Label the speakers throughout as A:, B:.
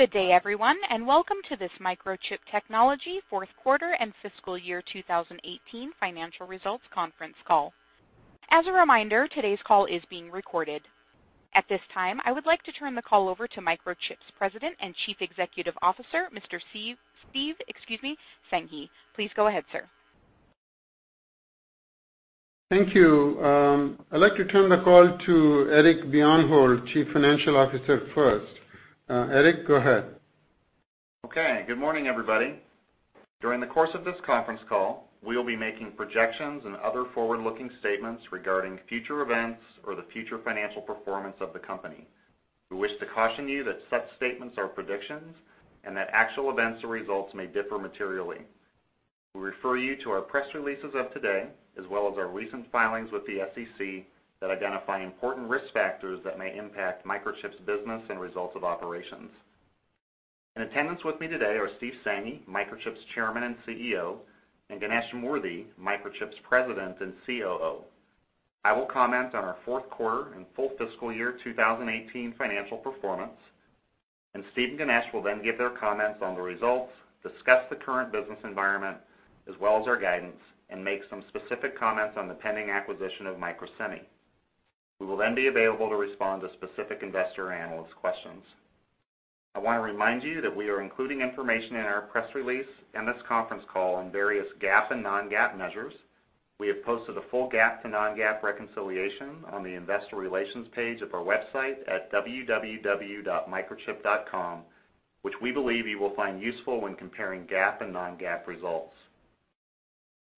A: Good day, everyone, welcome to this Microchip Technology fourth quarter and fiscal year 2018 financial results conference call. As a reminder, today's call is being recorded. At this time, I would like to turn the call over to Microchip's President and Chief Executive Officer, Mr. Steve Sanghi. Please go ahead, sir.
B: Thank you. I'd like to turn the call to Eric Bjornholt, Chief Financial Officer first. Eric, go ahead.
C: Okay. Good morning, everybody. During the course of this conference call, we will be making projections and other forward-looking statements regarding future events or the future financial performance of the company. We wish to caution you that such statements are predictions and that actual events or results may differ materially. We refer you to our press releases of today, as well as our recent filings with the SEC that identify important risk factors that may impact Microchip's business and results of operations. In attendance with me today are Steve Sanghi, Microchip's Chairman and CEO, and Ganesh Moorthy, Microchip's President and COO. I will comment on our fourth quarter and full fiscal year 2018 financial performance, Steve and Ganesh will then give their comments on the results, discuss the current business environment, as well as our guidance, and make some specific comments on the pending acquisition of Microsemi. We will be available to respond to specific investor analyst questions. I want to remind you that we are including information in our press release and this conference call on various GAAP and non-GAAP measures. We have posted a full GAAP to non-GAAP reconciliation on the investor relations page of our website at www.microchip.com, which we believe you will find useful when comparing GAAP and non-GAAP results.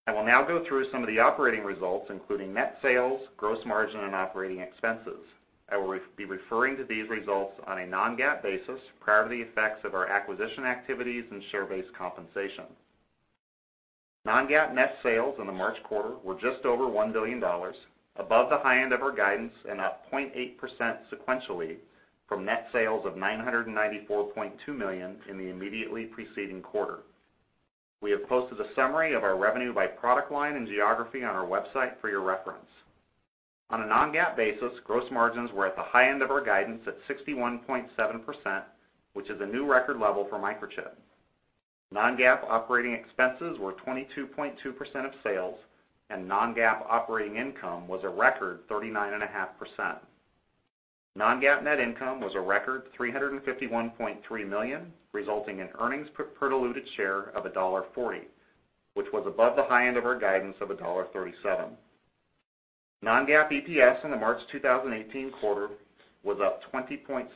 C: I will now go through some of the operating results, including net sales, gross margin, and operating expenses. I will be referring to these results on a non-GAAP basis, prior to the effects of our acquisition activities and share-based compensation. Non-GAAP net sales in the March quarter were just over $1 billion, above the high end of our guidance and up 0.8% sequentially from net sales of $994.2 million in the immediately preceding quarter. We have posted a summary of our revenue by product line and geography on our website for your reference. On a non-GAAP basis, gross margins were at the high end of our guidance at 61.7%, which is a new record level for Microchip. Non-GAAP operating expenses were 22.2% of sales, Non-GAAP operating income was a record 39.5%. Non-GAAP net income was a record $351.3 million, resulting in earnings per diluted share of $1.40, which was above the high end of our guidance of $1.37. Non-GAAP EPS in the March 2018 quarter was up 20.7%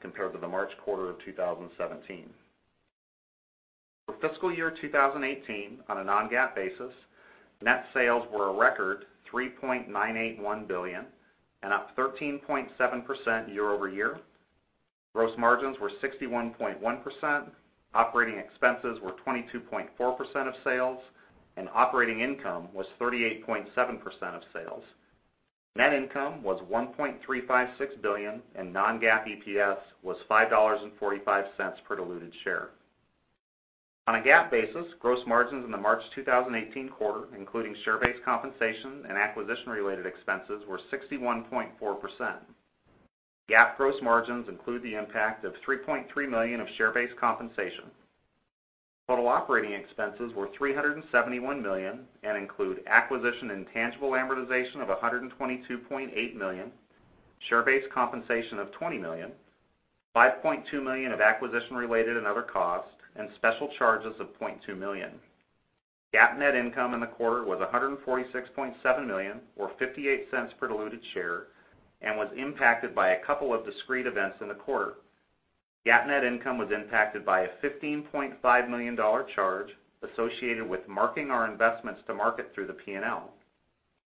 C: compared to the March quarter of 2017. For fiscal year 2018, on a non-GAAP basis, net sales were a record $3.981 billion and up 13.7% year-over-year. Gross margins were 61.1%, operating expenses were 22.4% of sales, and operating income was 38.7% of sales. Net income was $1.356 billion, and non-GAAP EPS was $5.45 per diluted share. On a GAAP basis, gross margins in the March 2018 quarter, including share-based compensation and acquisition related expenses, were 61.4%. GAAP gross margins include the impact of $3.3 million of share-based compensation. Total operating expenses were $371 million and include acquisition intangible amortization of $122.8 million, share-based compensation of $20 million, $5.2 million of acquisition related and other costs, and special charges of $0.2 million. GAAP net income in the quarter was $146.7 million, or $0.58 per diluted share, and was impacted by a couple of discrete events in the quarter. GAAP net income was impacted by a $15.5 million charge associated with marking our investments to market through the P&L.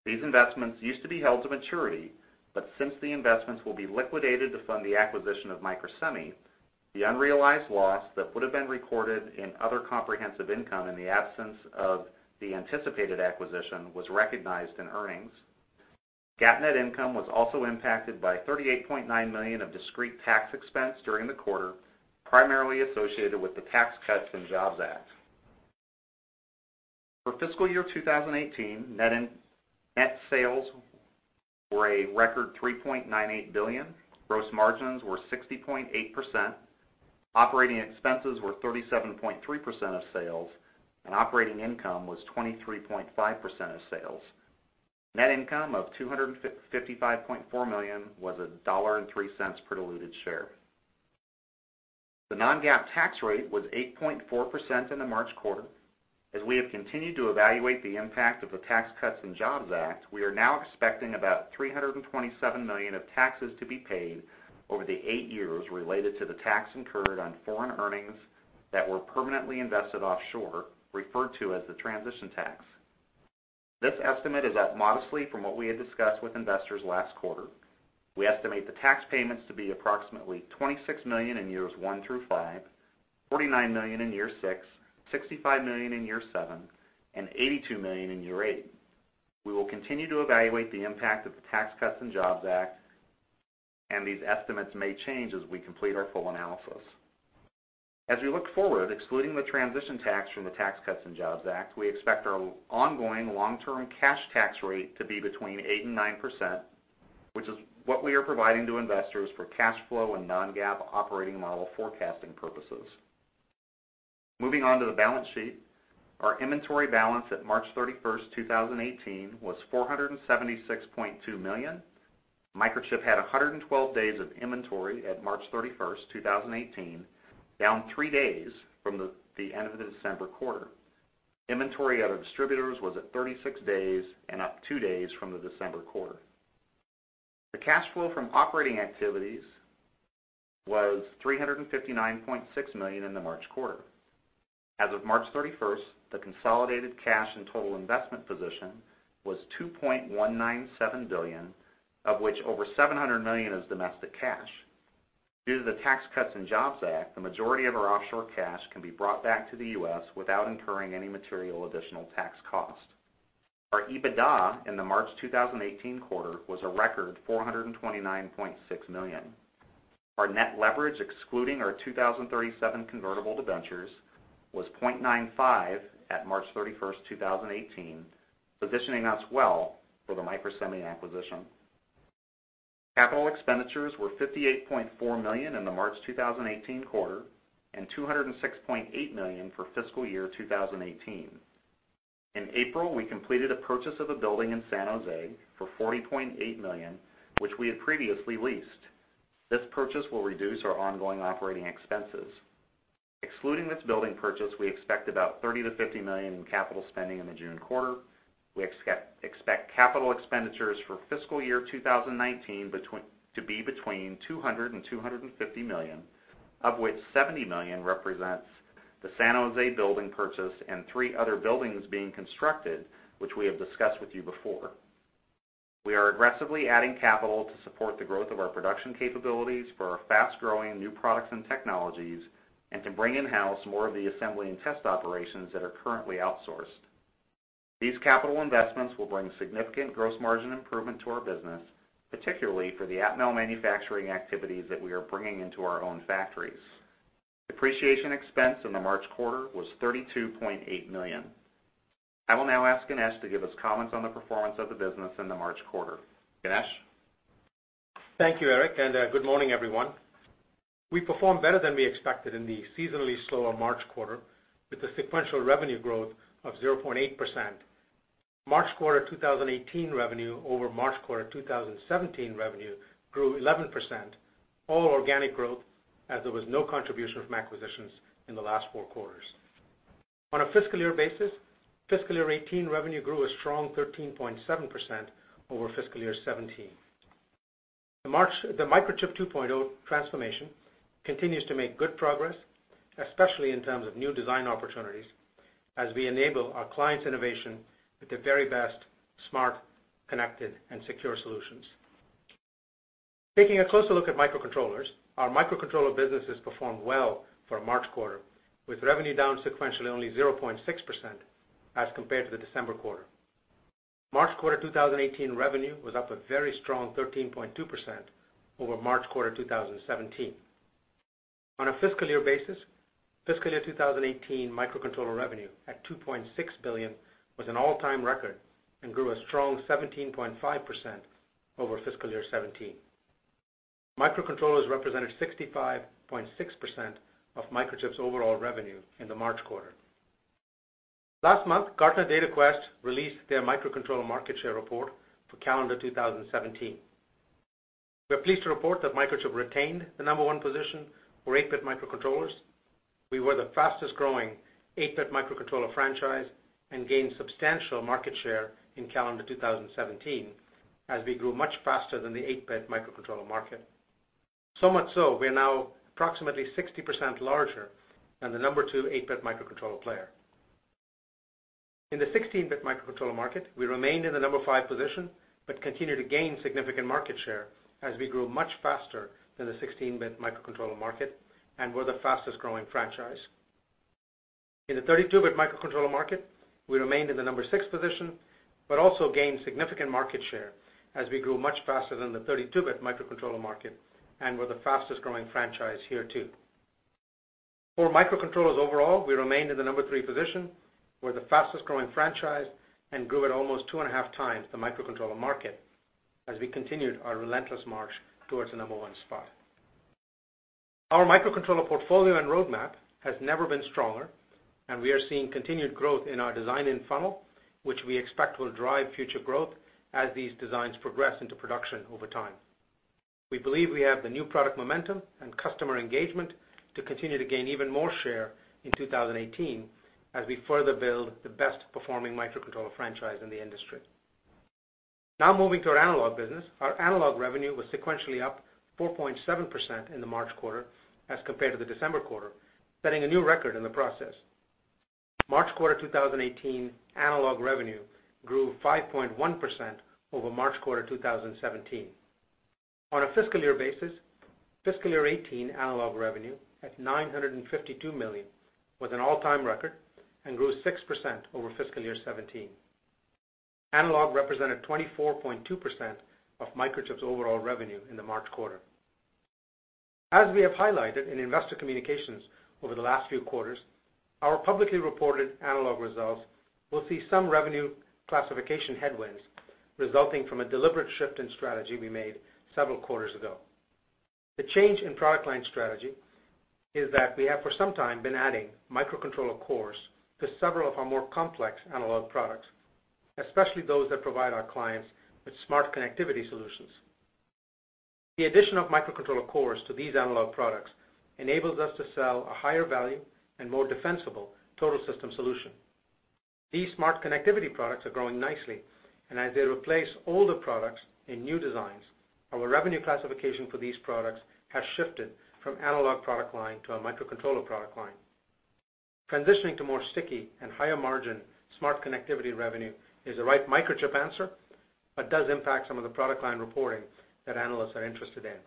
C: Since the investments used to be held to maturity, but since the investments will be liquidated to fund the acquisition of Microsemi, the unrealized loss that would have been recorded in other comprehensive income in the absence of the anticipated acquisition was recognized in earnings. GAAP net income was also impacted by $38.9 million of discrete tax expense during the quarter, primarily associated with the Tax Cuts and Jobs Act. For fiscal year 2018, net sales were a record $3.98 billion. Gross margins were 60.8%. Operating expenses were 37.3% of sales, and operating income was 23.5% of sales. Net income of $255.4 million was $1.03 per diluted share. The non-GAAP tax rate was 8.4% in the March quarter. As we have continued to evaluate the impact of the Tax Cuts and Jobs Act, we are now expecting about $327 million of taxes to be paid over the 8 years related to the tax incurred on foreign earnings that were permanently invested offshore, referred to as the transition tax. This estimate is up modestly from what we had discussed with investors last quarter. We estimate the tax payments to be approximately $26 million in years one through five, $49 million in year six, $65 million in year seven, and $82 million in year eight. We will continue to evaluate the impact of the Tax Cuts and Jobs Act, These estimates may change as we complete our full analysis. As we look forward, excluding the transition tax from the Tax Cuts and Jobs Act, we expect our ongoing long-term cash tax rate to be between 8% and 9%, which is what we are providing to investors for cash flow and non-GAAP operating model forecasting purposes. Moving on to the balance sheet. Our inventory balance at March 31st, 2018, was $476.2 million. Microchip had 112 days of inventory at March 31st, 2018, down three days from the end of the December quarter. Inventory at our distributors was at 36 days and up two days from the December quarter. The cash flow from operating activities was $359.6 million in the March quarter. As of March 31st, the consolidated cash and total investment position was $2.197 billion, of which over $700 million is domestic cash. Due to the Tax Cuts and Jobs Act, the majority of our offshore cash can be brought back to the U.S. without incurring any material additional tax cost. Our EBITDA in the March 2018 quarter was a record $429.6 million. Our net leverage, excluding our 2037 convertible debentures, was 0.95 at March 31st, 2018, positioning us well for the Microsemi acquisition. Capital expenditures were $58.4 million in the March 2018 quarter and $206.8 million for fiscal year 2018. In April, we completed a purchase of a building in San Jose for $40.8 million, which we had previously leased. This purchase will reduce our ongoing operating expenses. Excluding this building purchase, we expect about $30 million-$50 million in capital spending in the June quarter. We expect capital expenditures for fiscal year 2019 to be between $200 million and $250 million, of which $70 million represents the San Jose building purchase and three other buildings being constructed, which we have discussed with you before. We are aggressively adding capital to support the growth of our production capabilities for our fast-growing new products and technologies, and to bring in-house more of the assembly and test operations that are currently outsourced. These capital investments will bring significant gross margin improvement to our business, particularly for the Atmel manufacturing activities that we are bringing into our own factories. Depreciation expense in the March quarter was $32.8 million. I will now ask Ganesh to give us comments on the performance of the business in the March quarter. Ganesh?
D: Thank you, Eric, and good morning, everyone. We performed better than we expected in the seasonally slower March quarter, with a sequential revenue growth of 0.8%. March quarter 2018 revenue over March quarter 2017 revenue grew 11%, all organic growth, as there was no contribution from acquisitions in the last four quarters. On a fiscal year basis, fiscal year 2018 revenue grew a strong 13.7% over fiscal year 2017. The Microchip 2.0 transformation continues to make good progress, especially in terms of new design opportunities as we enable our clients' innovation with the very best smart, connected, and secure solutions. Taking a closer look at microcontrollers. Our microcontroller businesses performed well for our March quarter, with revenue down sequentially only 0.6% as compared to the December quarter. March quarter 2018 revenue was up a very strong 13.2% over March quarter 2017. On a fiscal year basis, fiscal year 2018 microcontroller revenue at $2.6 billion was an all-time record and grew a strong 17.5% over fiscal year 2017. Microcontrollers represented 65.6% of Microchip's overall revenue in the March quarter. Last month, Gartner Dataquest released their microcontroller market share report for calendar 2017. We are pleased to report that Microchip retained the number 1 position for 8-bit microcontrollers. We were the fastest growing 8-bit microcontroller franchise and gained substantial market share in calendar 2017, as we grew much faster than the 8-bit microcontroller market. So much so, we are now approximately 60% larger than the number 2 8-bit microcontroller player. In the 16-bit microcontroller market, we remained in the number 5 position but continued to gain significant market share as we grew much faster than the 16-bit microcontroller market and were the fastest-growing franchise. In the 32-bit microcontroller market, we remained in the number 6 position but also gained significant market share as we grew much faster than the 32-bit microcontroller market and were the fastest-growing franchise here too. For microcontrollers overall, we remained in the number 3 position, were the fastest-growing franchise, and grew at almost 2.5 times the microcontroller market as we continued our relentless march towards the number 1 spot. Our microcontroller portfolio and roadmap has never been stronger, and we are seeing continued growth in our design-in funnel, which we expect will drive future growth as these designs progress into production over time. We believe we have the new product momentum and customer engagement to continue to gain even more share in 2018 as we further build the best performing microcontroller franchise in the industry. Now moving to our analog business. Our analog revenue was sequentially up 4.7% in the March quarter as compared to the December quarter, setting a new record in the process. March quarter 2018 analog revenue grew 5.1% over March quarter 2017. On a fiscal year basis, fiscal year 2018 analog revenue at $952 million was an all-time record and grew 6% over fiscal year 2017. Analog represented 24.2% of Microchip's overall revenue in the March quarter. As we have highlighted in investor communications over the last few quarters, our publicly reported analog results will see some revenue classification headwinds resulting from a deliberate shift in strategy we made several quarters ago. The change in product line strategy is that we have, for some time, been adding microcontroller cores to several of our more complex analog products, especially those that provide our clients with smart connectivity solutions. The addition of microcontroller cores to these analog products enables us to sell a higher value and more defensible total system solution. These smart connectivity products are growing nicely, and as they replace older products in new designs, our revenue classification for these products has shifted from analog product line to our microcontroller product line. Transitioning to more sticky and higher margin smart connectivity revenue is the right Microchip answer, but does impact some of the product line reporting that analysts are interested in,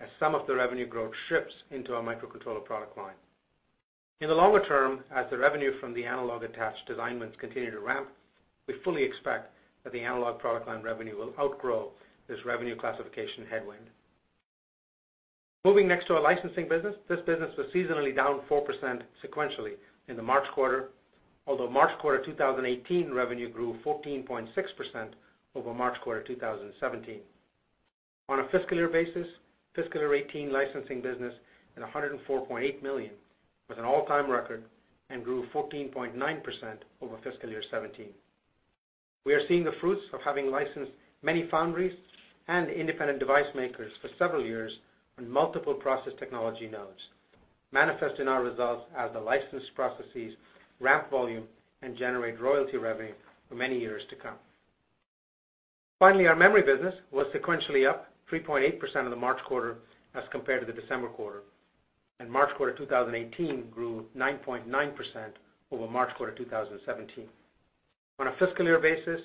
D: as some of the revenue growth shifts into our microcontroller product line. In the longer term, as the revenue from the analog attached design wins continue to ramp, we fully expect that the analog product line revenue will outgrow this revenue classification headwind. Moving next to our licensing business. This business was seasonally down 4% sequentially in the March quarter, although March quarter 2018 revenue grew 14.6% over March quarter 2017. On a fiscal year basis, fiscal year 2018 licensing business at $104.8 million, was an all-time record and grew 14.9% over fiscal year 2017. We are seeing the fruits of having licensed many foundries and independent device makers for several years on multiple process technology nodes, manifest in our results as the licensed processes ramp volume and generate royalty revenue for many years to come. Finally, our memory business was sequentially up 3.8% in the March quarter as compared to the December quarter. March quarter 2018 grew 9.9% over March quarter 2017. On a fiscal year basis,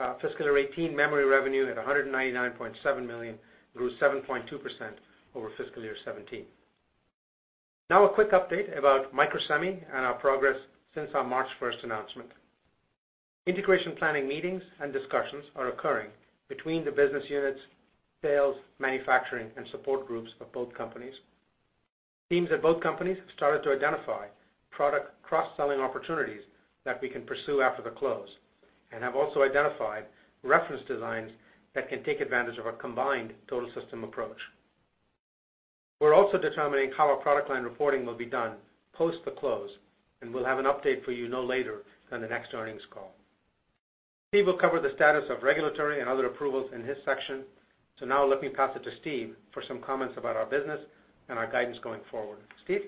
D: our fiscal 2018 memory revenue at $199.7 million grew 7.2% over fiscal year 2017. Now a quick update about Microsemi and our progress since our March 1st announcement. Integration planning meetings and discussions are occurring between the business units, sales, manufacturing, and support groups of both companies. Teams at both companies have started to identify product cross-selling opportunities that we can pursue after the close and have also identified reference designs that can take advantage of our combined total system approach. We're also determining how our product line reporting will be done post the close, and we'll have an update for you no later than the next earnings call. Steve will cover the status of regulatory and other approvals in his section. Now let me pass it to Steve for some comments about our business and our guidance going forward. Steve?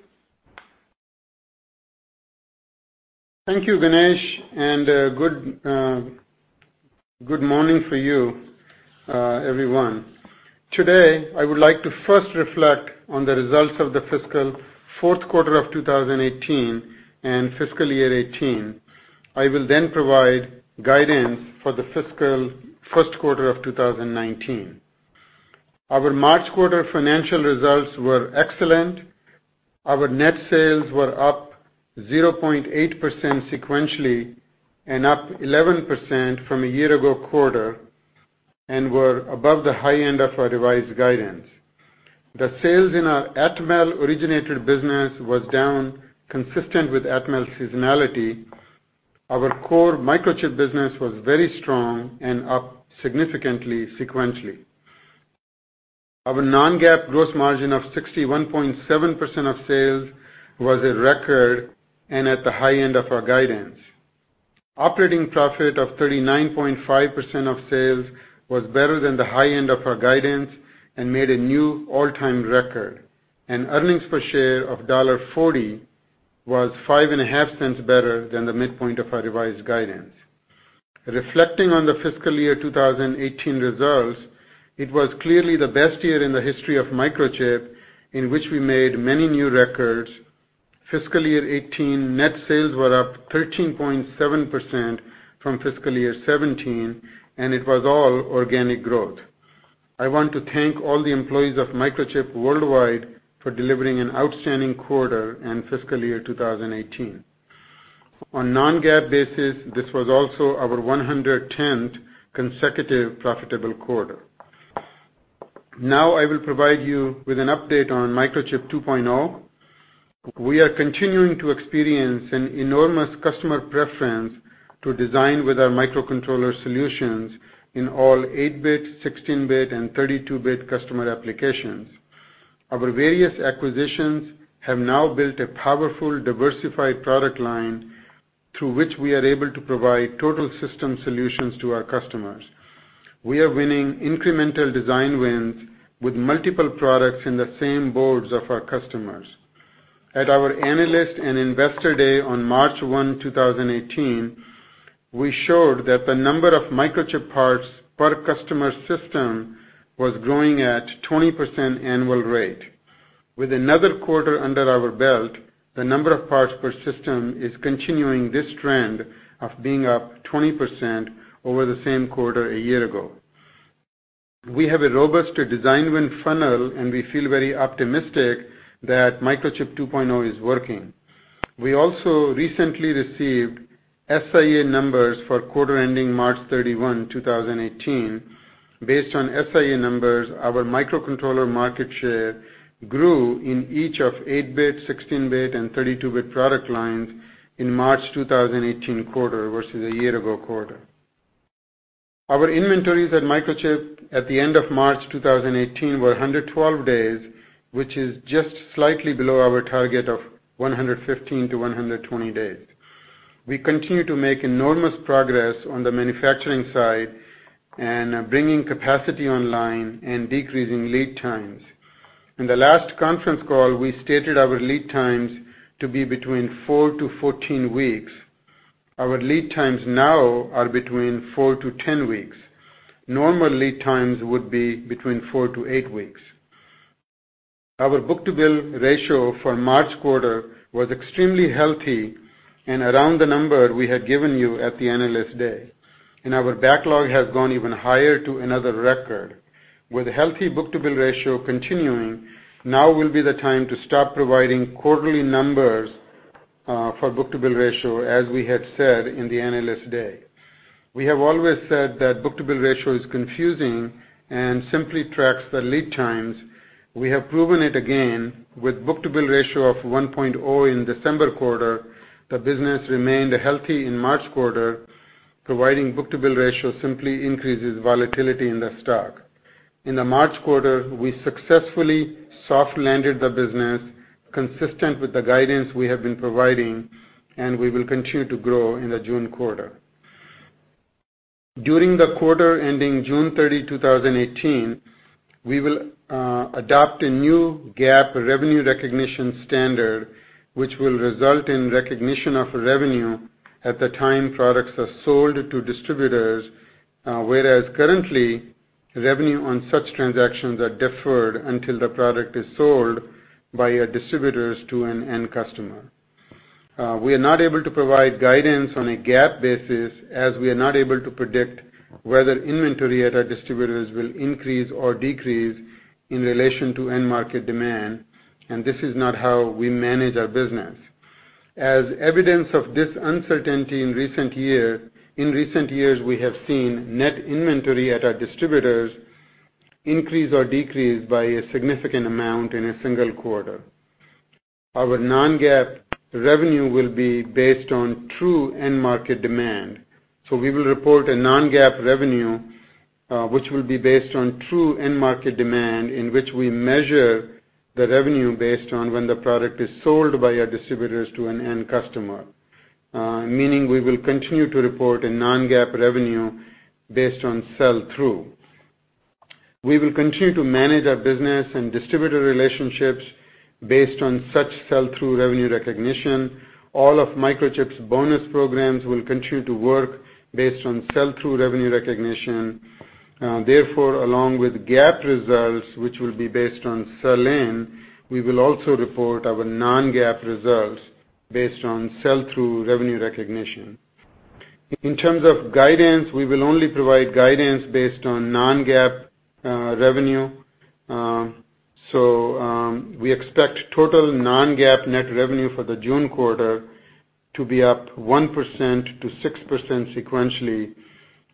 B: Thank you, Ganesh, and good morning for you everyone. Today, I would like to first reflect on the results of the fiscal fourth quarter of 2018 and fiscal year 2018. I will then provide guidance for the fiscal first quarter of 2019. Our March quarter financial results were excellent. Our net sales were up 0.8% sequentially and up 11% from a year ago quarter and were above the high end of our revised guidance. The sales in our Atmel-originated business was down, consistent with Atmel seasonality. Our core Microchip business was very strong and up significantly sequentially. Our non-GAAP gross margin of 61.7% of sales was a record and at the high end of our guidance. Operating profit of 39.5% of sales was better than the high end of our guidance and made a new all-time record, and earnings per share of $1.40 was $0.055 better than the midpoint of our revised guidance. Reflecting on the fiscal year 2018 results, it was clearly the best year in the history of Microchip, in which we made many new records. Fiscal year 2018 net sales were up 13.7% from fiscal year 2017, and it was all organic growth. I want to thank all the employees of Microchip worldwide for delivering an outstanding quarter and fiscal year 2018. On non-GAAP basis, this was also our 110th consecutive profitable quarter. Now I will provide you with an update on Microchip 2.0. We are continuing to experience an enormous customer preference to design with our microcontroller solutions in all 8-bit, 16-bit, and 32-bit customer applications. Our various acquisitions have now built a powerful, diversified product line through which we are able to provide total system solutions to our customers. We are winning incremental design wins with multiple products in the same boards of our customers. At our Analyst and Investor Day on March 1, 2018, we showed that the number of Microchip parts per customer system was growing at 20% annual rate. With another quarter under our belt, the number of parts per system is continuing this trend of being up 20% over the same quarter a year ago. We have a robust design win funnel, and we feel very optimistic that Microchip 2.0 is working. We also recently received SIA numbers for quarter ending March 31, 2018. Based on SIA numbers, our microcontroller market share grew in each of 8 bit, 16 bit, and 32 bit product lines in March 2018 quarter versus a year ago quarter. Our inventories at Microchip at the end of March 2018 were 112 days, which is just slightly below our target of 115 to 120 days. We continue to make enormous progress on the manufacturing side and bringing capacity online and decreasing lead times. In the last conference call, we stated our lead times to be between 4-14 weeks. Our lead times now are between 4-10 weeks. Normal lead times would be between 4-8 weeks. Our book-to-bill ratio for March quarter was extremely healthy and around the number we had given you at the Analyst Day, and our backlog has gone even higher to another record. With healthy book-to-bill ratio continuing, now will be the time to stop providing quarterly numbers for book-to-bill ratio as we had said in the Analyst Day. We have always said that book-to-bill ratio is confusing and simply tracks the lead times. We have proven it again with book-to-bill ratio of 1.0 in December quarter, the business remained healthy in March quarter. Providing book-to-bill ratio simply increases volatility in the stock. In the March quarter, we successfully soft landed the business consistent with the guidance we have been providing, and we will continue to grow in the June quarter. During the quarter ending June 30, 2018, we will adopt a new GAAP revenue recognition standard which will result in recognition of revenue at the time products are sold to distributors, whereas currently, revenue on such transactions are deferred until the product is sold by our distributors to an end customer. We are not able to provide guidance on a GAAP basis as we are not able to predict whether inventory at our distributors will increase or decrease in relation to end market demand, and this is not how we manage our business. As evidence of this uncertainty in recent years, we have seen net inventory at our distributors increase or decrease by a significant amount in a single quarter. Our non-GAAP revenue will be based on true end market demand. We will report a non-GAAP revenue, which will be based on true end market demand in which we measure the revenue based on when the product is sold by our distributors to an end customer, meaning we will continue to report a non-GAAP revenue based on sell-through. We will continue to manage our business and distributor relationships based on such sell-through revenue recognition. All of Microchip's bonus programs will continue to work based on sell-through revenue recognition. Therefore, along with GAAP results, which will be based on sell-in, we will also report our non-GAAP results based on sell-through revenue recognition. In terms of guidance, we will only provide guidance based on non-GAAP revenue. We expect total non-GAAP net revenue for the June quarter to be up 1%-6% sequentially,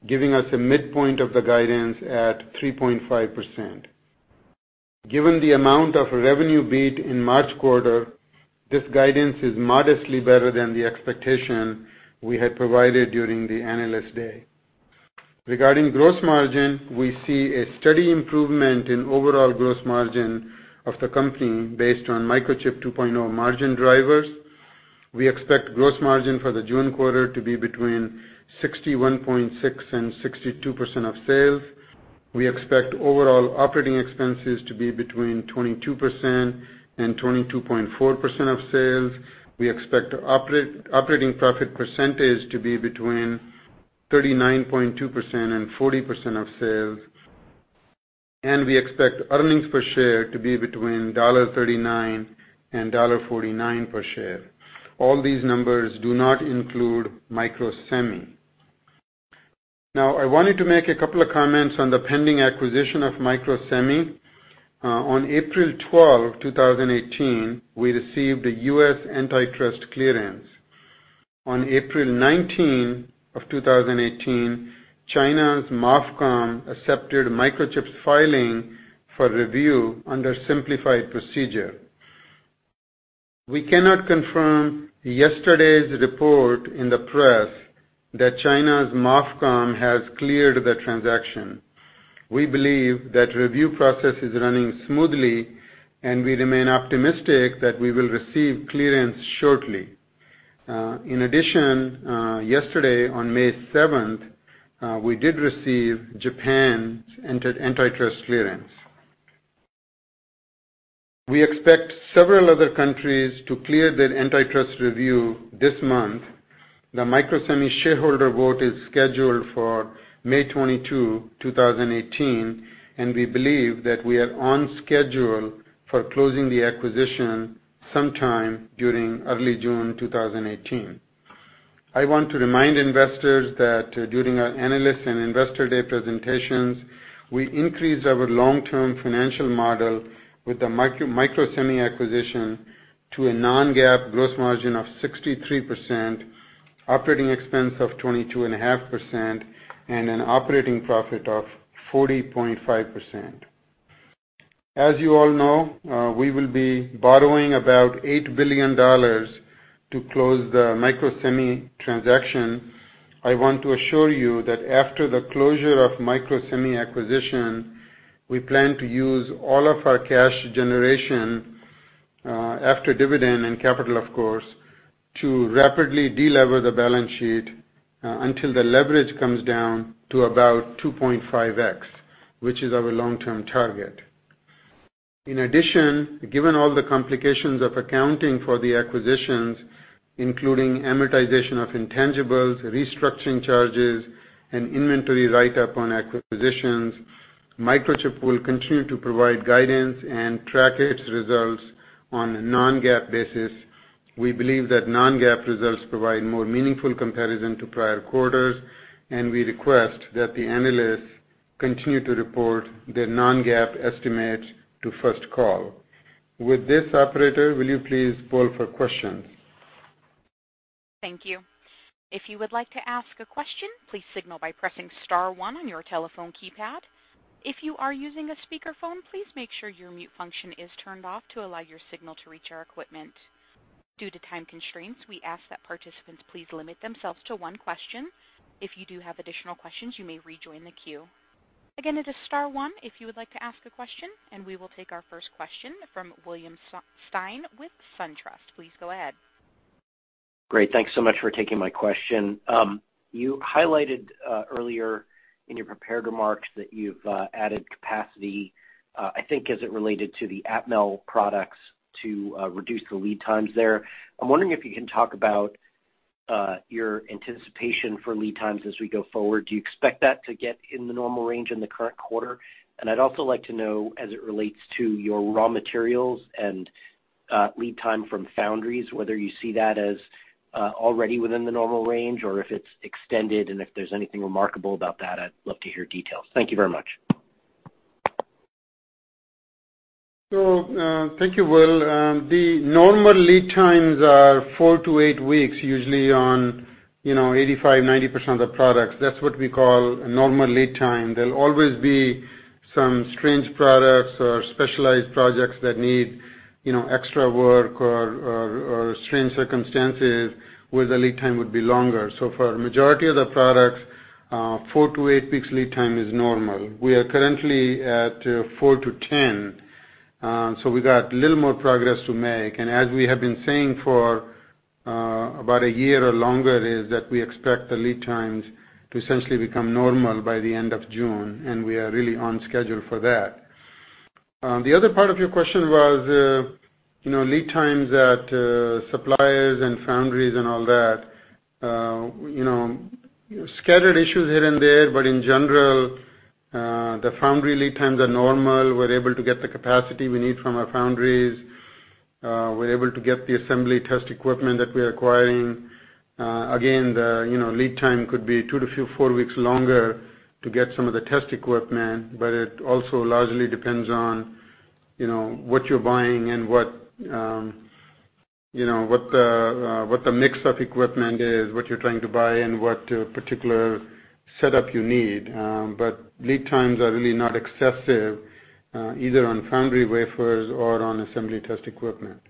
B: giving us a midpoint of the guidance at 3.5%. Given the amount of revenue beat in March quarter, this guidance is modestly better than the expectation we had provided during the Analyst Day. Regarding gross margin, we see a steady improvement in overall gross margin of the company based on Microchip 2.0 margin drivers. We expect gross margin for the June quarter to be between 61.6%-62% of sales. We expect overall operating expenses to be between 22%-22.4% of sales. We expect operating profit percentage to be between 39.2%-40% of sales. We expect earnings per share to be between $1.39-$1.49 per share. All these numbers do not include Microsemi. Now, I wanted to make a couple of comments on the pending acquisition of Microsemi. On April 12, 2018, we received a U.S. antitrust clearance. On April 19 of 2018, China's MOFCOM accepted Microchip's filing for review under simplified procedure. We cannot confirm yesterday's report in the press that China's MOFCOM has cleared the transaction. We believe that review process is running smoothly, and we remain optimistic that we will receive clearance shortly. In addition, yesterday on May 7th, we did receive Japan's antitrust clearance. We expect several other countries to clear their antitrust review this month. The Microsemi shareholder vote is scheduled for May 22, 2018, and we believe that we are on schedule for closing the acquisition sometime during early June 2018. I want to remind investors that during our analyst and investor day presentations, we increased our long-term financial model with the Microsemi acquisition to a non-GAAP gross margin of 63%, operating expense of 22.5%, and an operating profit of 40.5%. As you all know, we will be borrowing about $8 billion to close the Microsemi transaction. I want to assure you that after the closure of Microsemi acquisition, we plan to use all of our cash generation, after dividend and capital, of course, to rapidly de-lever the balance sheet until the leverage comes down to about 2.5x, which is our long-term target. In addition, given all the complications of accounting for the acquisitions, including amortization of intangibles, restructuring charges, and inventory write-up on acquisitions, Microchip will continue to provide guidance and track its results on a non-GAAP basis. We believe that non-GAAP results provide more meaningful comparison to prior quarters, and we request that the analysts continue to report their non-GAAP estimates to First Call. With this, operator, will you please poll for questions?
A: Thank you. If you would like to ask a question, please signal by pressing *1 on your telephone keypad. If you are using a speakerphone, please make sure your mute function is turned off to allow your signal to reach our equipment. Due to time constraints, we ask that participants please limit themselves to one question. If you do have additional questions, you may rejoin the queue. Again, it is *1 if you would like to ask a question, and we will take our first question from William Stein with SunTrust. Please go ahead.
E: Great. Thanks so much for taking my question. You highlighted earlier in your prepared remarks that you've added capacity, I think as it related to the Atmel products to reduce the lead times there. I'm wondering if you can talk about your anticipation for lead times as we go forward. Do you expect that to get in the normal range in the current quarter? I'd also like to know as it relates to your raw materials and lead time from foundries, whether you see that as already within the normal range or if it's extended, and if there's anything remarkable about that, I'd love to hear details. Thank you very much.
B: Thank you, Will. The normal lead times are 4-8 weeks, usually on 85%, 90% of the products. That's what we call a normal lead time. There'll always be some strange products or specialized projects that need extra work or strange circumstances where the lead time would be longer. For a majority of the products, 4-8 weeks lead time is normal. We are currently at 4-10, we got a little more progress to make. As we have been saying for about a year or longer, is that we expect the lead times to essentially become normal by the end of June, and we are really on schedule for that. The other part of your question was lead times at suppliers and foundries and all that. Scattered issues here and there, but in general, the foundry lead times are normal. We're able to get the capacity we need from our foundries. We're able to get the assembly test equipment that we're acquiring. Again, the lead time could be 2-4 weeks longer to get some of the test equipment, but it also largely depends on what you're buying and what the mix of equipment is, what you're trying to buy, and what particular setup you need. Lead times are really not excessive, either on foundry wafers or on assembly test equipment.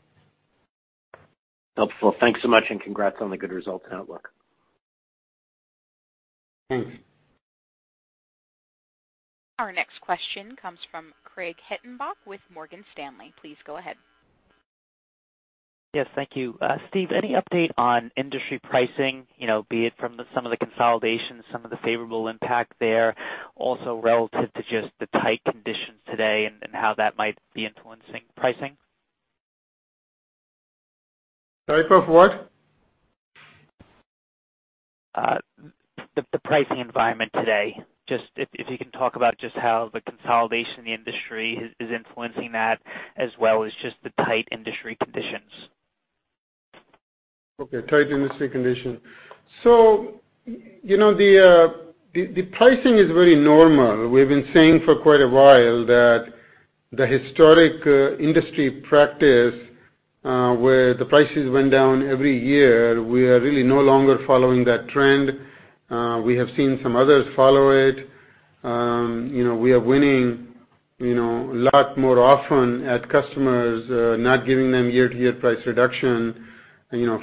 E: Helpful. Thanks so much, and congrats on the good results and outlook.
B: Thanks.
A: Our next question comes from Craig Hettenbach with Morgan Stanley. Please go ahead.
F: Yes, thank you. Steve, any update on industry pricing, be it from some of the consolidations, some of the favorable impact there, also relative to just the tight conditions today and how that might be influencing pricing?
B: Sorry, for what?
F: The pricing environment today. If you can talk about just how the consolidation in the industry is influencing that, as well as just the tight industry conditions?
B: Okay. Tight industry condition. The pricing is very normal. We've been saying for quite a while that the historic industry practice, where the prices went down every year, we are really no longer following that trend. We have seen some others follow it. We are winning a lot more often at customers, not giving them year-to-year price reduction.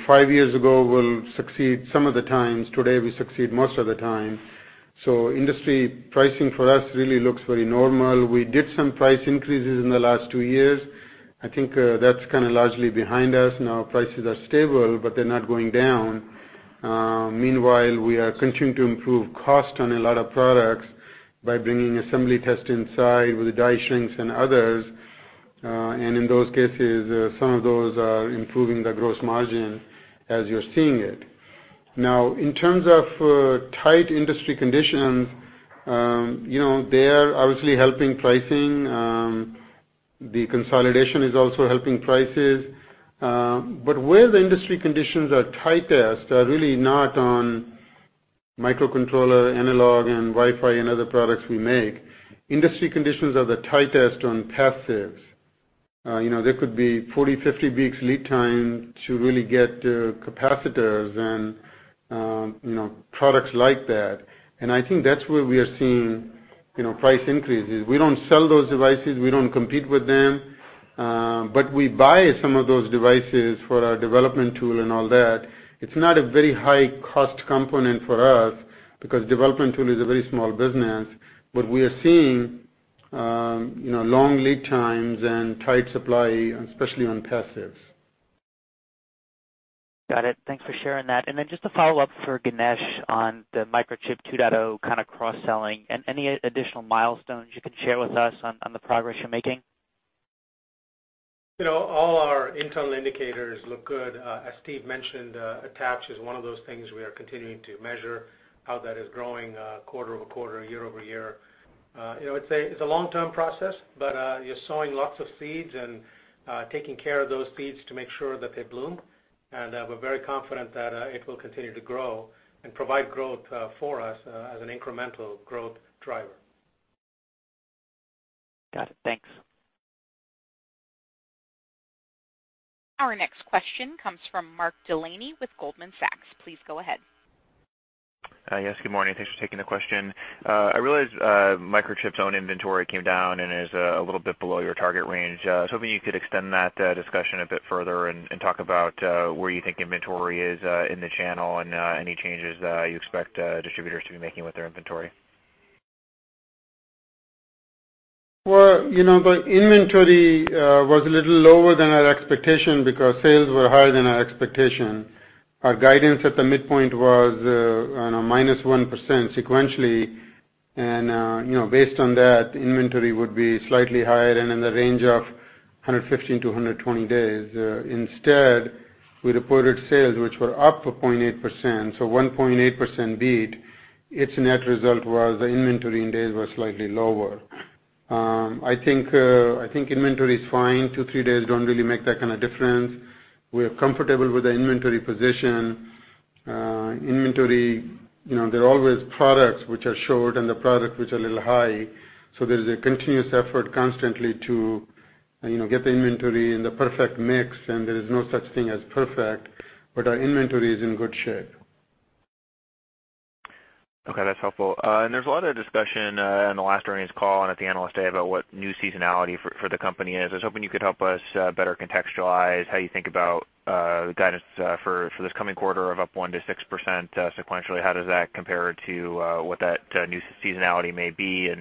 B: Five years ago, we'll succeed some of the times. Today, we succeed most of the time. Industry pricing for us really looks very normal. We did some price increases in the last two years. I think that's kind of largely behind us now. Prices are stable, but they're not going down. Meanwhile, we are continuing to improve cost on a lot of products by bringing assembly test inside with die shrinks and others. In those cases, some of those are improving the gross margin as you're seeing it. In terms of tight industry conditions, they are obviously helping pricing. The consolidation is also helping prices. Where the industry conditions are tightest are really not on microcontroller, analog, and Wi-Fi, and other products we make. Industry conditions are the tightest on passives. There could be 40, 50 weeks lead time to really get capacitors and products like that. I think that's where we are seeing price increases. We don't sell those devices. We don't compete with them. We buy some of those devices for our development tool and all that. It's not a very high cost component for us, because development tool is a very small business. We are seeing long lead times and tight supply, especially on passives.
F: Got it. Thanks for sharing that. Just a follow-up for Ganesh on the Microchip 2.0 kind of cross-selling, and any additional milestones you can share with us on the progress you're making?
D: All our internal indicators look good. As Steve mentioned, attach is one of those things we are continuing to measure how that is growing quarter-over-quarter, year-over-year. It's a long-term process, but you're sowing lots of seeds and taking care of those seeds to make sure that they bloom. We're very confident that it will continue to grow and provide growth for us as an incremental growth driver.
F: Got it. Thanks.
A: Our next question comes from Mark Delaney with Goldman Sachs. Please go ahead.
G: Good morning. Thanks for taking the question. I realize Microchip's own inventory came down and is a little bit below your target range. I was hoping you could extend that discussion a bit further and talk about where you think inventory is in the channel and any changes that you expect distributors to be making with their inventory.
B: The inventory was a little lower than our expectation because sales were higher than our expectation. Our guidance at the midpoint was on a minus 1% sequentially, based on that, the inventory would be slightly higher and in the range of 115 to 120 days. Instead, we reported sales which were up a 0.8%, so 1.8% beat. Its net result was the inventory in days was slightly lower. I think inventory is fine. Two, three days don't really make that kind of difference. We are comfortable with the inventory position. Inventory, there are always products which are short and the product which are a little high, so there is a continuous effort constantly to get the inventory in the perfect mix, and there is no such thing as perfect, but our inventory is in good shape.
G: Okay, that's helpful. There's a lot of discussion in the last earnings call and at the Analyst Day about what new seasonality for the company is. I was hoping you could help us better contextualize how you think about the guidance for this coming quarter of up 1% to 6% sequentially. How does that compare to what that new seasonality may be?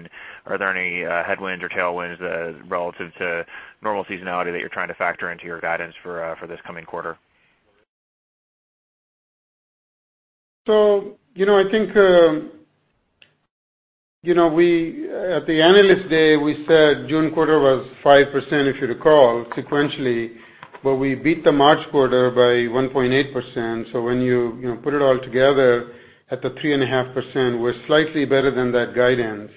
G: Are there any headwinds or tailwinds relative to normal seasonality that you're trying to factor into your guidance for this coming quarter?
B: I think, at the Analyst Day, we said June quarter was 5%, if you recall, sequentially, we beat the March quarter by 1.8%. When you put it all together at the 3.5%, we're slightly better than that guidance.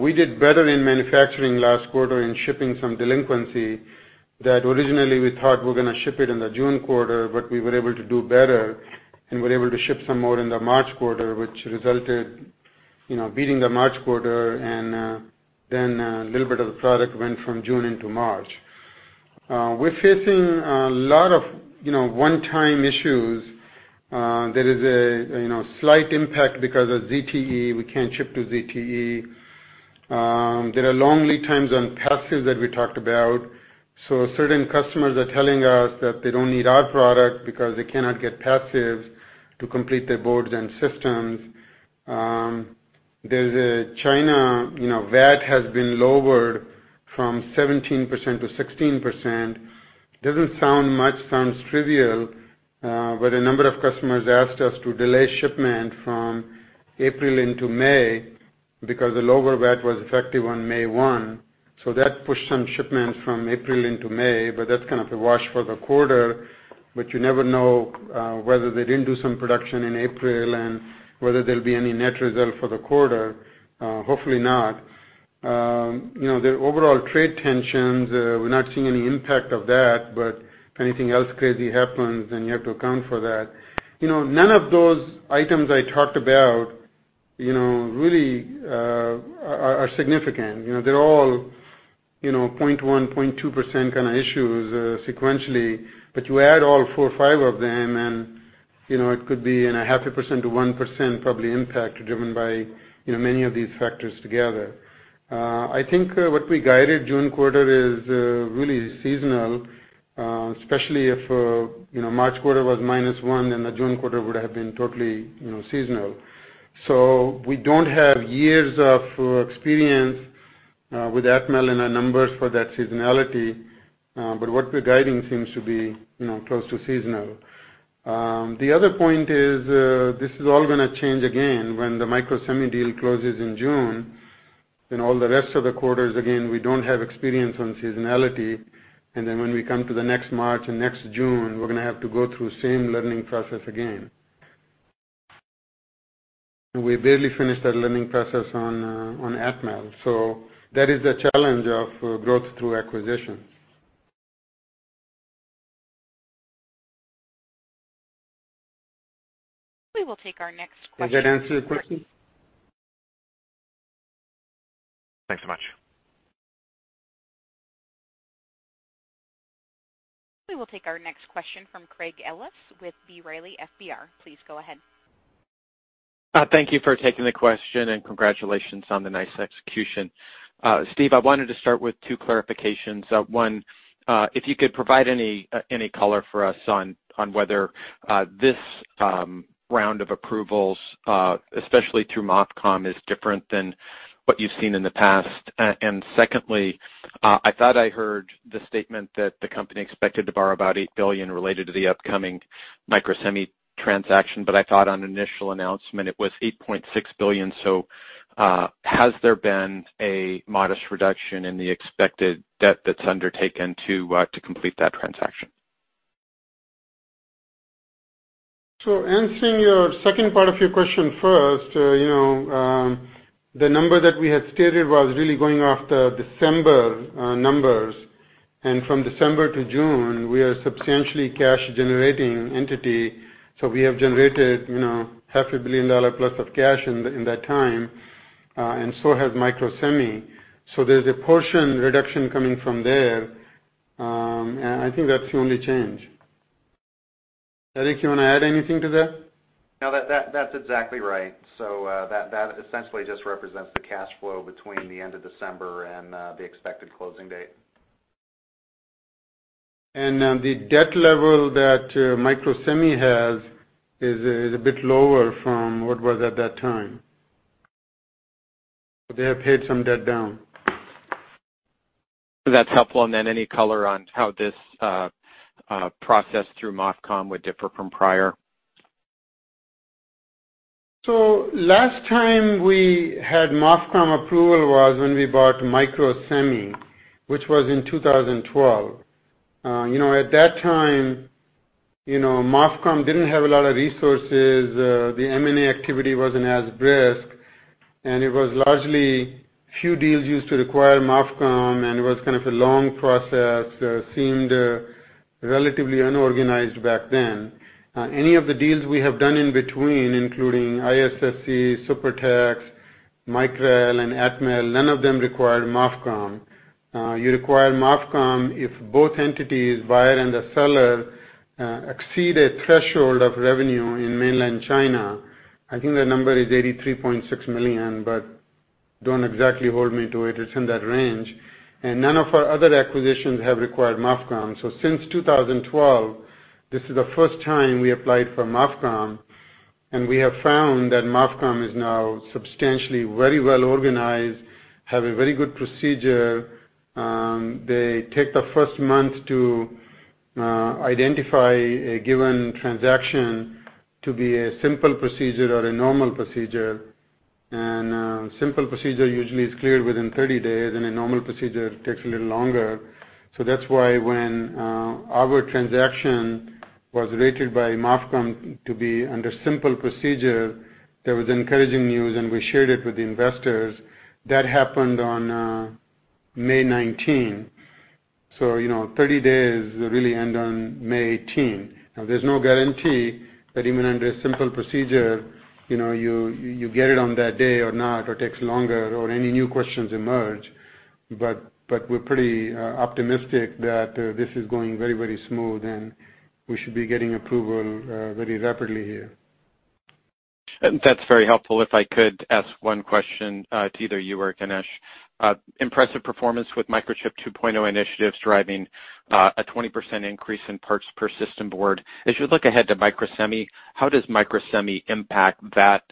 B: We did better in manufacturing last quarter in shipping some delinquency that originally we thought we're going to ship it in the June quarter, we were able to do better and were able to ship some more in the March quarter, which resulted beating the March quarter and then a little bit of the product went from June into March. We're facing a lot of one-time issues. There is a slight impact because of ZTE. We can't ship to ZTE. There are long lead times on passives that we talked about. Certain customers are telling us that they don't need our product because they cannot get passives to complete their boards and systems. China VAT has been lowered from 17% to 16%. Doesn't sound much, sounds trivial, a number of customers asked us to delay shipment from April into May because the lower VAT was effective on May 1. That pushed some shipments from April into May, that's kind of a wash for the quarter. You never know whether they didn't do some production in April and whether there'll be any net result for the quarter. Hopefully not. The overall trade tensions, we're not seeing any impact of that, if anything else crazy happens, you have to account for that. None of those items I talked about really are significant. They're all 0.1%, 0.2% kind of issues sequentially, but you add all four or five of them and it could be in a half a percent to 1% probably impact driven by many of these factors together. I think what we guided June quarter is really seasonal, especially if March quarter was minus one, then the June quarter would have been totally seasonal. We don't have years of experience with Atmel in our numbers for that seasonality, but what we're guiding seems to be close to seasonal. The other point is, this is all going to change again when the Microsemi deal closes in June, then all the rest of the quarters, again, we don't have experience on seasonality. When we come to the next March and next June, we're going to have to go through the same learning process again. We barely finished that learning process on Atmel. That is the challenge of growth through acquisition.
A: We will take our next question.
B: Does that answer your question?
G: Thanks so much.
A: We will take our next question from Craig Ellis with B. Riley FBR. Please go ahead.
H: Thank you for taking the question, and congratulations on the nice execution. Steve, I wanted to start with two clarifications. One, if you could provide any color for us on whether this round of approvals, especially through MOFCOM, is different than what you've seen in the past. Secondly, I thought I heard the statement that the company expected to borrow about $8 billion related to the upcoming Microsemi transaction, but I thought on initial announcement it was $8.6 billion. Has there been a modest reduction in the expected debt that's undertaken to complete that transaction?
B: Answering your second part of your question first, the number that we had stated was really going off the December numbers. From December to June, we are a substantially cash-generating entity. We have generated half a billion dollar plus of cash in that time, and so has Microsemi. There's a portion reduction coming from there. I think that's the only change. Eric, you want to add anything to that?
C: No, that's exactly right. That essentially just represents the cash flow between the end of December and the expected closing date.
B: The debt level that Microsemi has is a bit lower from what was at that time. They have paid some debt down.
H: That's helpful. Any color on how this process through MOFCOM would differ from prior?
B: Last time we had MOFCOM approval was when we bought Microsemi, which was in 2012. At that time, MOFCOM didn't have a lot of resources. The M&A activity wasn't as brisk, and it was largely few deals used to require MOFCOM, and it was kind of a long process, seemed relatively unorganized back then. Any of the deals we have done in between, including ISSC, Supertex, Micrel, and Atmel, none of them required MOFCOM. You require MOFCOM if both entities, buyer and the seller, exceed a threshold of revenue in mainland China. I think the number is $83.6 million, but don't exactly hold me to it. It's in that range. None of our other acquisitions have required MOFCOM. Since 2012, this is the first time we applied for MOFCOM, and we have found that MOFCOM is now substantially very well organized, have a very good procedure. They take the first month to identify a given transaction to be a simple procedure or a normal procedure. A simple procedure usually is cleared within 30 days, and a normal procedure takes a little longer. That's why when our transaction was rated by MOFCOM to be under simple procedure, that was encouraging news, and we shared it with the investors. That happened on April 19, so 30 days really end on May 18. Now, there's no guarantee that even under a simple procedure, you get it on that day or not, or it takes longer or any new questions emerge. We're pretty optimistic that this is going very smooth, and we should be getting approval very rapidly here.
H: That's very helpful. If I could ask one question to either you or Ganesh. Impressive performance with Microchip 2.0 initiatives driving a 20% increase in parts per system board. As you look ahead to Microsemi, how does Microsemi impact that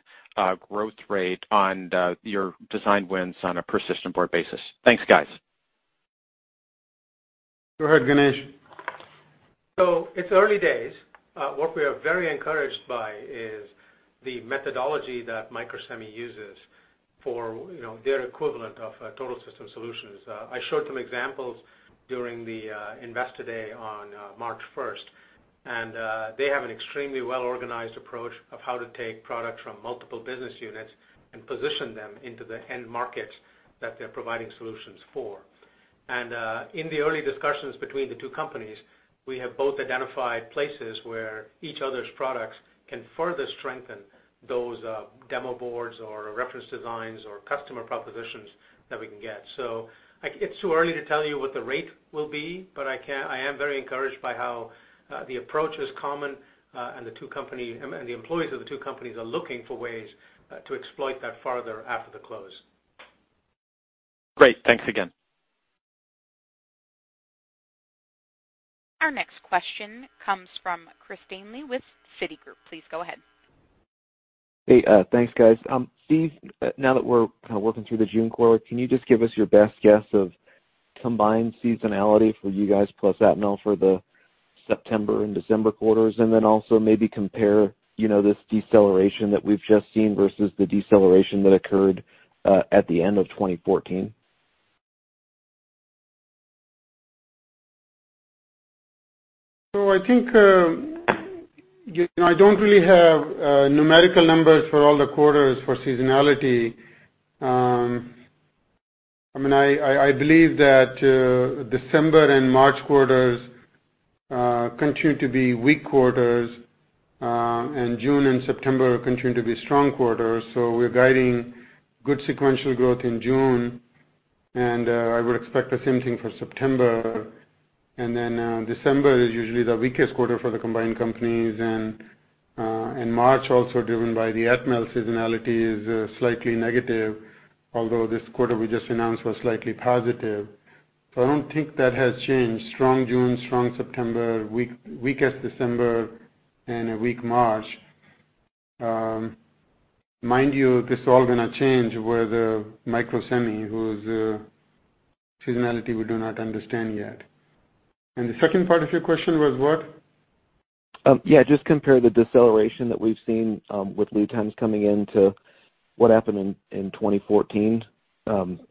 H: growth rate on your design wins on a per system board basis? Thanks, guys.
B: Go ahead, Ganesh.
D: It's early days. What we are very encouraged by is the methodology that Microsemi uses for their equivalent of total system solutions. I showed some examples during the Investor Day on March 1st, and they have an extremely well-organized approach of how to take products from multiple business units and position them into the end markets that they're providing solutions for. In the early discussions between the two companies, we have both identified places where each other's products can further strengthen those demo boards or reference designs or customer propositions that we can get. It's too early to tell you what the rate will be, but I am very encouraged by how the approach is common, and the employees of the two companies are looking for ways to exploit that further after the close.
H: Great. Thanks again.
A: Our next question comes from Christopher Danely with Citigroup. Please go ahead.
I: Hey, thanks, guys. Steve, now that we're kind of working through the June quarter, can you just give us your best guess of combined seasonality for you guys plus Atmel for the September and December quarters? Then also maybe compare this deceleration that we've just seen versus the deceleration that occurred at the end of 2014.
B: I think I don't really have numerical numbers for all the quarters for seasonality. I believe that December and March quarters continue to be weak quarters, and June and September continue to be strong quarters. We're guiding good sequential growth in June, and I would expect the same thing for September. December is usually the weakest quarter for the combined companies. March also, driven by the Atmel seasonality, is slightly negative, although this quarter we just announced was slightly positive. I don't think that has changed. Strong June, strong September, weakest December and a weak March. Mind you, this is all going to change with Microsemi, whose seasonality we do not understand yet. The second part of your question was what?
I: Yeah, just compare the deceleration that we've seen with lead times coming in to what happened in 2014.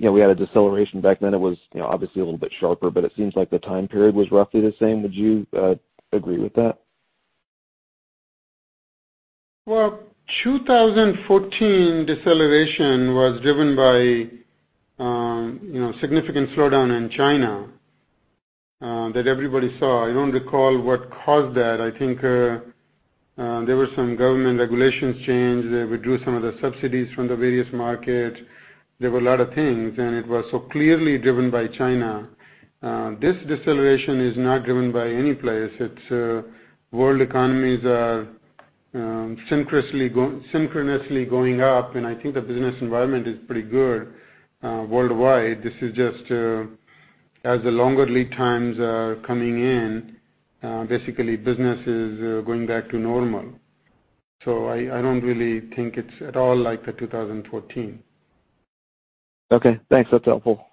I: We had a deceleration back then. It was obviously a little bit sharper, but it seems like the time period was roughly the same. Would you agree with that?
B: Well, 2014 deceleration was driven by significant slowdown in China that everybody saw. I don't recall what caused that. I think there were some government regulations changed. They reduced some of the subsidies from the various markets. There were a lot of things, it was so clearly driven by China. This deceleration is not driven by any place. World economies are synchronously going up, I think the business environment is pretty good worldwide. This is just as the longer lead times are coming in, basically business is going back to normal. I don't really think it's at all like the 2014.
I: Okay, thanks. That's helpful.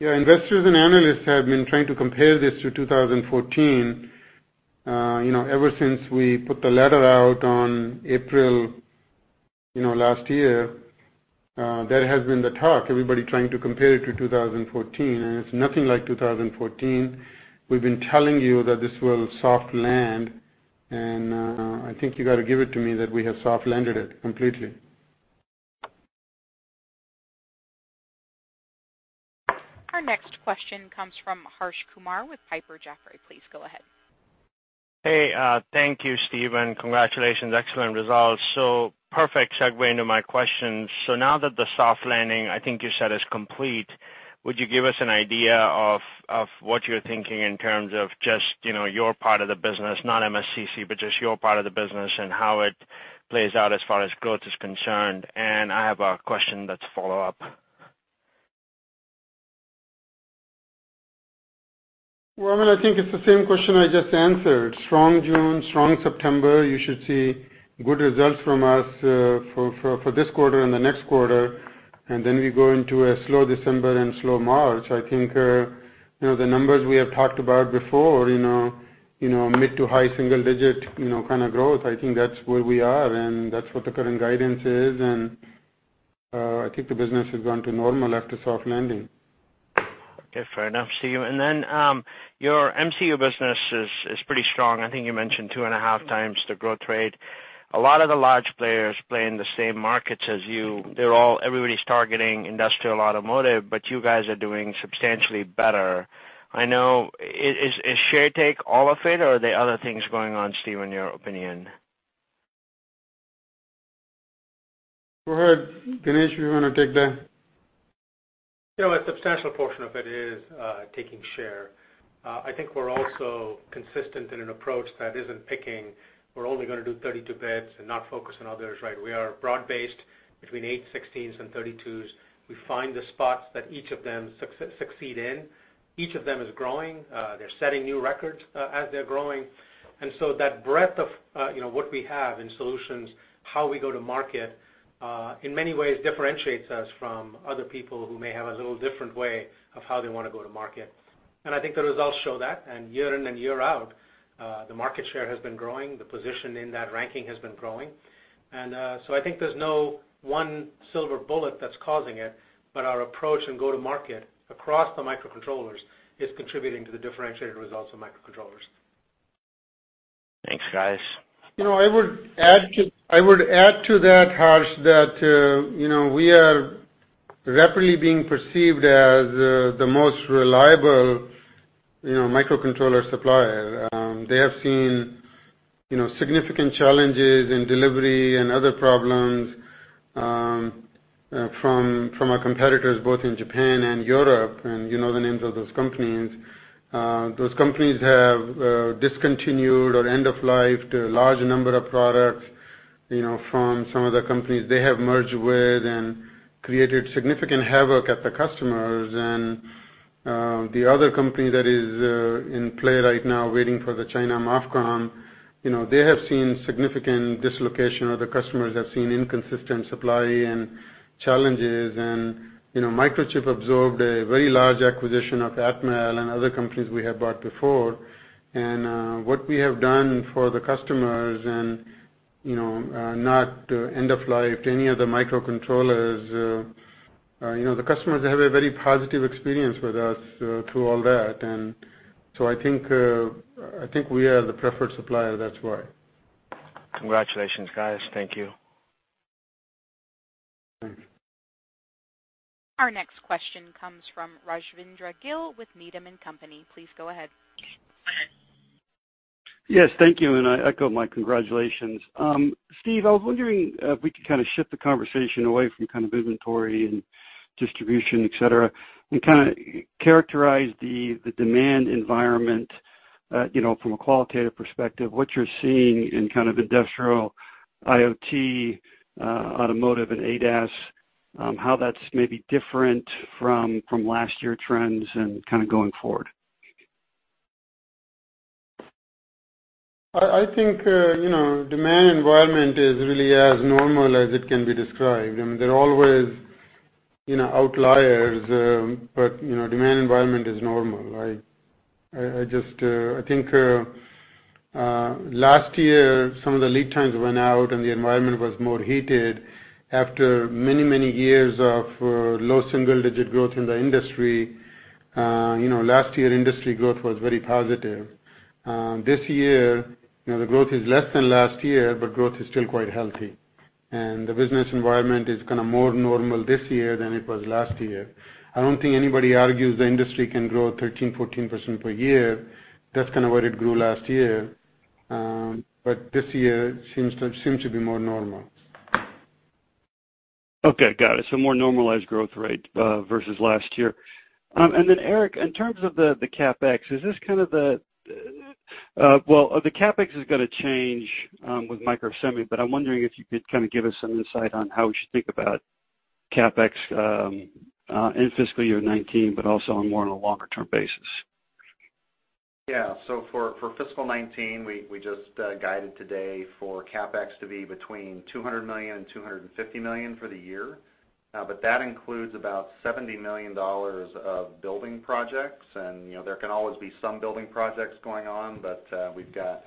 B: Yeah. Investors and analysts have been trying to compare this to 2014. Ever since we put the letter out on April last year, that has been the talk, everybody trying to compare it to 2014, and it's nothing like 2014. We've been telling you that this will soft land, and I think you got to give it to me that we have soft landed it completely.
A: Our next question comes from Harsh Kumar with Piper Jaffray. Please go ahead.
J: Hey, thank you, Steve. Congratulations. Excellent results. Perfect segue into my question. Now that the soft landing, I think you said, is complete, would you give us an idea of what you're thinking in terms of just your part of the business, not MSCC, but just your part of the business and how it plays out as far as growth is concerned? I have a question that's follow-up.
B: Well, I think it's the same question I just answered. Strong June, strong September. You should see good results from us for this quarter and the next quarter, and then we go into a slow December and slow March. I think the numbers we have talked about before, mid to high single digit kind of growth, I think that's where we are, and that's what the current guidance is, and I think the business has gone to normal after soft landing.
J: Okay, fair enough, Steve. Then your MCU business is pretty strong. I think you mentioned two and a half times the growth rate. A lot of the large players play in the same markets as you. Everybody's targeting industrial automotive, but you guys are doing substantially better. Is share take all of it, or are there other things going on, Steve, in your opinion?
B: Go ahead, Ganesh, you want to take that?
D: A substantial portion of it is taking share. I think we're also consistent in an approach that isn't picking, we're only going to do 32 bits and not focus on others. We are broad-based between eight, 16s and 32s. We find the spots that each of them succeed in. Each of them is growing. They're setting new records as they're growing. That breadth of what we have in solutions, how we go to market, in many ways differentiates us from other people who may have a little different way of how they want to go to market. I think the results show that. Year in and year out, the market share has been growing, the position in that ranking has been growing. I think there's no one silver bullet that's causing it, but our approach and go-to market across the microcontrollers is contributing to the differentiated results of microcontrollers.
J: Thanks, guys.
B: I would add to that, Harsh, that we are rapidly being perceived as the most reliable microcontroller supplier. They have seen significant challenges in delivery and other problems from our competitors, both in Japan and Europe, and you know the names of those companies. Those companies have discontinued or end-of-life'd a large number of products from some of the companies they have merged with and created significant havoc at the customers. The other company that is in play right now, waiting for the China MOFCOM, they have seen significant dislocation, or the customers have seen inconsistent supply and challenges. Microchip absorbed a very large acquisition of Atmel and other companies we have bought before. What we have done for the customers and Not end-of-life to any of the microcontrollers. The customers have a very positive experience with us through all that. I think we are the preferred supplier, that's why.
J: Congratulations, guys. Thank you.
B: Thanks.
A: Our next question comes from Rajvindra Gill with Needham & Company. Please go ahead.
K: Yes, thank you, and I echo my congratulations. Steve, I was wondering if we could kind of shift the conversation away from kind of inventory and distribution, et cetera, and kind of characterize the demand environment, from a qualitative perspective, what you're seeing in kind of industrial IoT, automotive, and ADAS, how that's maybe different from last year trends and kind of going forward.
B: I think, demand environment is really as normal as it can be described. I mean, there are always outliers, but demand environment is normal. I think last year, some of the lead times ran out and the environment was more heated after many, many years of low single-digit growth in the industry. Last year industry growth was very positive. This year, the growth is less than last year, but growth is still quite healthy, and the business environment is kind of more normal this year than it was last year. I don't think anybody argues the industry can grow 13%, 14% per year. That's kind of where it grew last year. This year seems to be more normal.
K: Okay, got it. More normalized growth rate versus last year. Then Eric, in terms of the CapEx, is this kind of the Well, the CapEx is going to change with Microsemi, but I'm wondering if you could kind of give us some insight on how we should think about CapEx in fiscal year 2019, but also on more on a longer-term basis.
C: For fiscal 2019, we just guided today for CapEx to be between $200 million-$250 million for the year. That includes about $70 million of building projects. There can always be some building projects going on, but we've got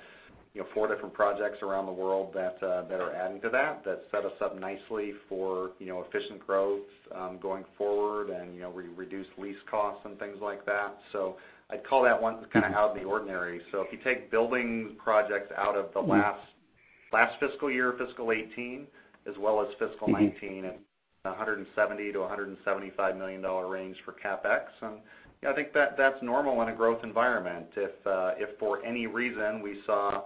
C: four different projects around the world that set us up nicely for efficient growth going forward and we reduce lease costs and things like that. I'd call that one kind of out of the ordinary. If you take building projects out of the last fiscal year, fiscal 2018, as well as fiscal 2019 at $170 million-$175 million range for CapEx, I think that's normal in a growth environment. If for any reason we saw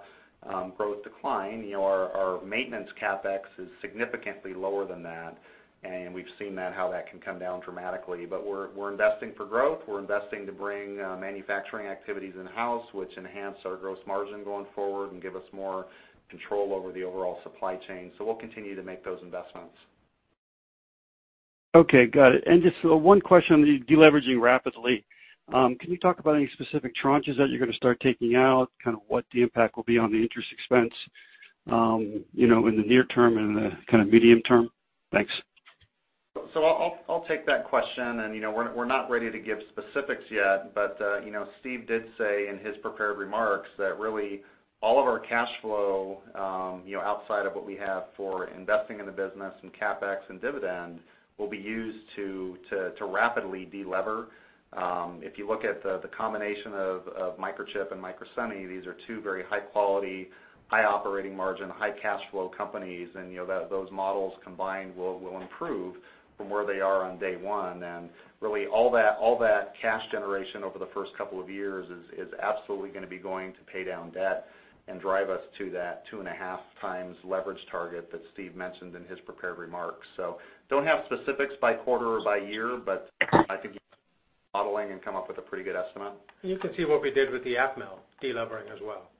C: growth decline, our maintenance CapEx is significantly lower than that, and we've seen that, how that can come down dramatically. We're investing for growth, we're investing to bring manufacturing activities in-house, which enhance our gross margin going forward and give us more control over the overall supply chain. We'll continue to make those investments.
K: Okay, got it. Just one question on the de-leveraging rapidly. Can you talk about any specific tranches that you're going to start taking out? What the impact will be on the interest expense in the near term and the medium term? Thanks.
C: I'll take that question, and we're not ready to give specifics yet, but Steve did say in his prepared remarks that really all of our cash flow, outside of what we have for investing in the business and CapEx and dividend, will be used to rapidly de-lever. If you look at the combination of Microchip and Microsemi, these are two very high-quality, high operating margin, high cash flow companies, and those models combined will improve from where they are on day one. Really all that cash generation over the first couple of years is absolutely going to be going to pay down debt and drive us to that 2.5 times leverage target that Steve mentioned in his prepared remarks. Don't have specifics by quarter or by year, but I think modeling can come up with a pretty good estimate.
B: You can see what we did with the Atmel de-levering as well.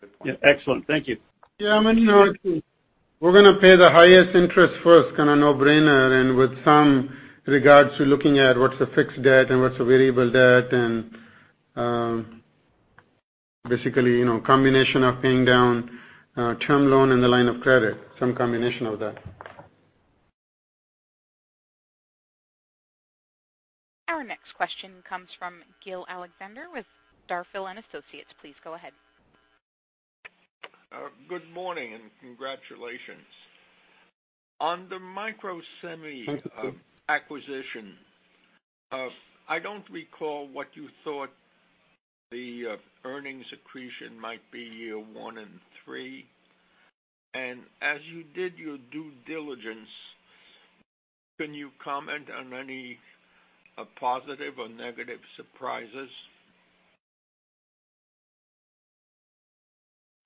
C: Good point.
K: Yeah. Excellent. Thank you.
B: Yeah, I mean, we're going to pay the highest interest first, kind of no-brainer, and with some regards to looking at what's a fixed debt and what's a variable debt, and basically combination of paying down term loan and the line of credit, some combination of that.
A: Our next question comes from Gil Luria with D.A. Davidson. Please go ahead.
L: Good morning, congratulations. On the Microsemi acquisition, I don't recall what you thought the earnings accretion might be year one and three. As you did your due diligence, can you comment on any positive or negative surprises?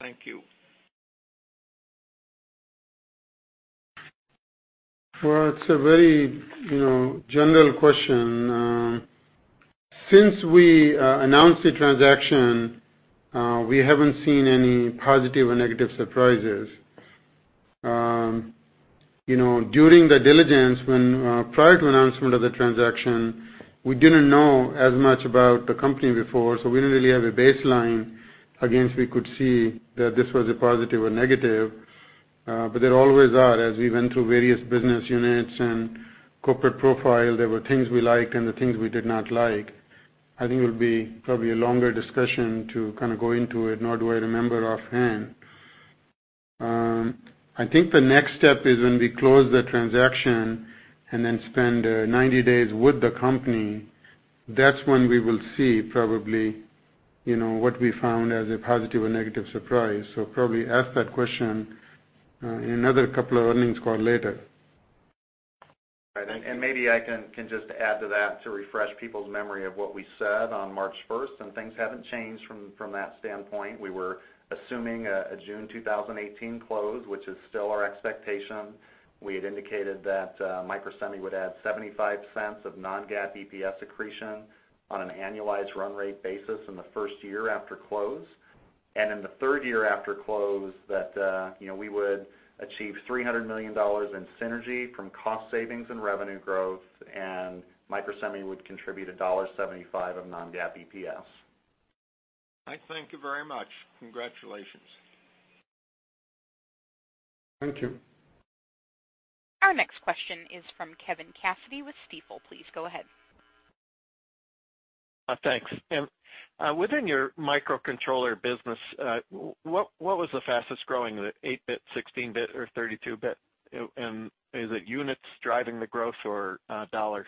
L: Thank you.
B: Well, it's a very general question. Since we announced the transaction, we haven't seen any positive or negative surprises. During the diligence, prior to announcement of the transaction, we didn't know as much about the company before, so we didn't really have a baseline against we could see that this was a positive or negative. There always are, as we went through various business units and corporate profile, there were things we liked and the things we did not like. I think it would be probably a longer discussion to go into it, nor do I remember offhand. I think the next step is when we close the transaction and then spend 90 days with the company. That's when we will see probably, what we found as a positive or negative surprise. Probably ask that question in another couple of earnings call later.
C: Right. Maybe I can just add to that to refresh people's memory of what we said on March 1st, and things haven't changed from that standpoint. We were assuming a June 2018 close, which is still our expectation. We had indicated that Microsemi would add $0.75 of non-GAAP EPS accretion on an annualized run rate basis in the first year after close. In the third year after close, that we would achieve $300 million in synergy from cost savings and revenue growth, and Microsemi would contribute $1.75 of non-GAAP EPS.
L: I thank you very much. Congratulations.
B: Thank you.
A: Our next question is from Kevin Cassidy with Stifel. Please go ahead.
M: Thanks. Within your microcontroller business, what was the fastest growing? The 8-bit, 16-bit, or 32-bit? Is it units driving the growth or $?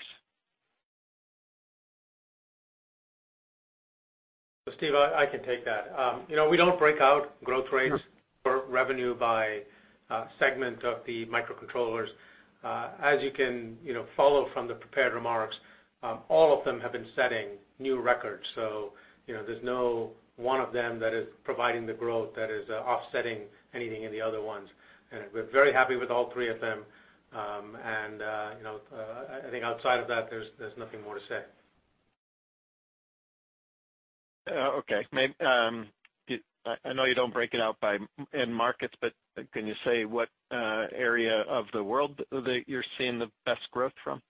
D: Steve, I can take that. We don't break out growth rates for revenue by segment of the microcontrollers. As you can follow from the prepared remarks, all of them have been setting new records. There's no one of them that is providing the growth that is offsetting anything in the other ones. We're very happy with all three of them, and I think outside of that, there's nothing more to say.
M: Okay. I know you don't break it out by end markets, can you say what area of the world that you're seeing the best growth from?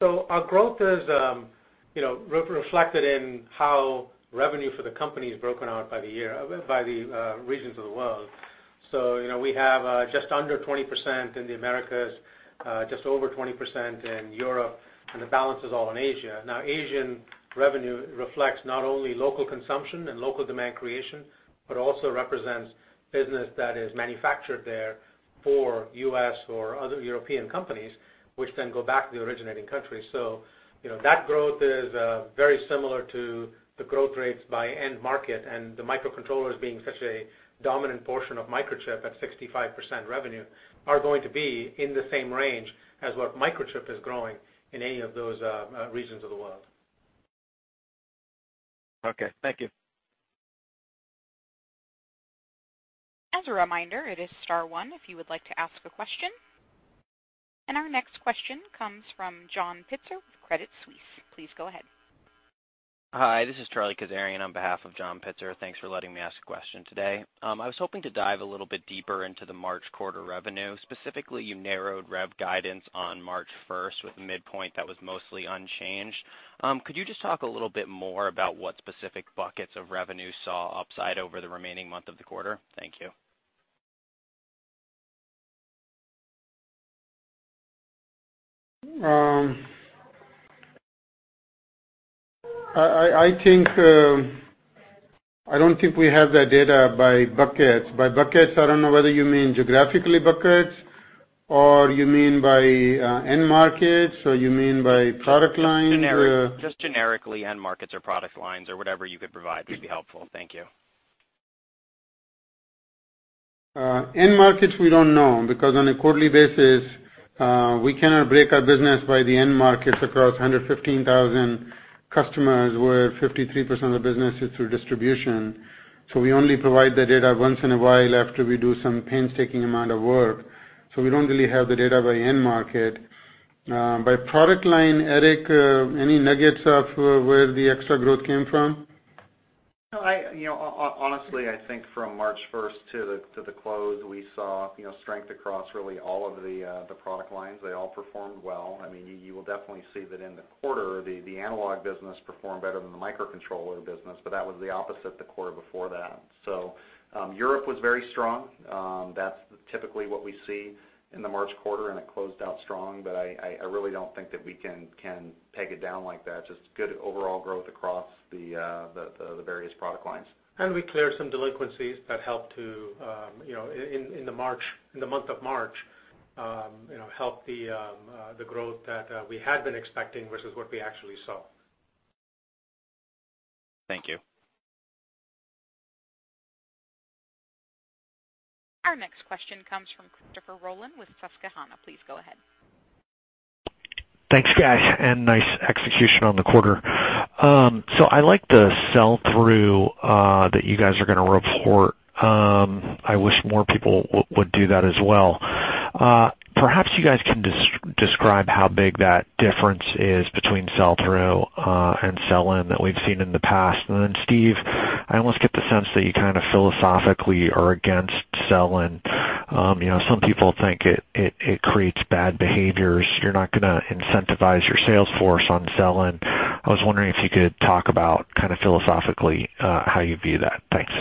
D: Our growth is reflected in how revenue for the company is broken out by the year, by the regions of the world. We have just under 20% in the Americas, just over 20% in Europe, and the balance is all in Asia. Now, Asian revenue reflects not only local consumption and local demand creation, but also represents business that is manufactured there for U.S. or other European companies, which then go back to the originating country. That growth is very similar to the growth rates by end market, and the microcontrollers being such a dominant portion of Microchip at 65% revenue, are going to be in the same range as what Microchip is growing in any of those regions of the world.
M: Okay, thank you.
A: As a reminder, it is star one if you would like to ask a question. Our next question comes from Charlie Anderson with Credit Suisse. Please go ahead.
N: Hi, this is Charlie Anderson on behalf of John Pitzer. Thanks for letting me ask a question today. I was hoping to dive a little bit deeper into the March quarter revenue. Specifically, you narrowed rev guidance on March 1 with a midpoint that was mostly unchanged. Could you just talk a little bit more about what specific buckets of revenue saw upside over the remaining month of the quarter? Thank you.
B: I don't think we have that data by buckets. By buckets, I don't know whether you mean geographically buckets, or you mean by end markets, or you mean by product line?
N: Just generically end markets or product lines or whatever you could provide would be helpful. Thank you.
B: End markets, we don't know, because on a quarterly basis, we cannot break our business by the end markets across 115,000 customers where 53% of the business is through distribution. We only provide the data once in a while after we do some painstaking amount of work. We don't really have the data by end market. By product line, Eric, any nuggets of where the extra growth came from?
C: Honestly, I think from March 1st to the close, we saw strength across really all of the product lines. They all performed well. You will definitely see that in the quarter, the analog business performed better than the microcontroller business, but that was the opposite the quarter before that. Europe was very strong. That's typically what we see in the March quarter, and it closed out strong, I really don't think that we can peg it down like that. Just good overall growth across the various product lines.
D: We cleared some delinquencies that helped to, in the month of March, help the growth that we had been expecting versus what we actually saw.
N: Thank you.
A: Our next question comes from Christopher Rolland with Susquehanna. Please go ahead.
O: Thanks, guys, and nice execution on the quarter. I like the sell-through, that you guys are going to report. I wish more people would do that as well. Perhaps you guys can describe how big that difference is between sell-through and sell-in that we've seen in the past. Then Steve, I almost get the sense that you kind of philosophically are against sell-in. Some people think it creates bad behaviors. You're not going to incentivize your sales force on sell-in. I was wondering if you could talk about philosophically how you view that. Thanks.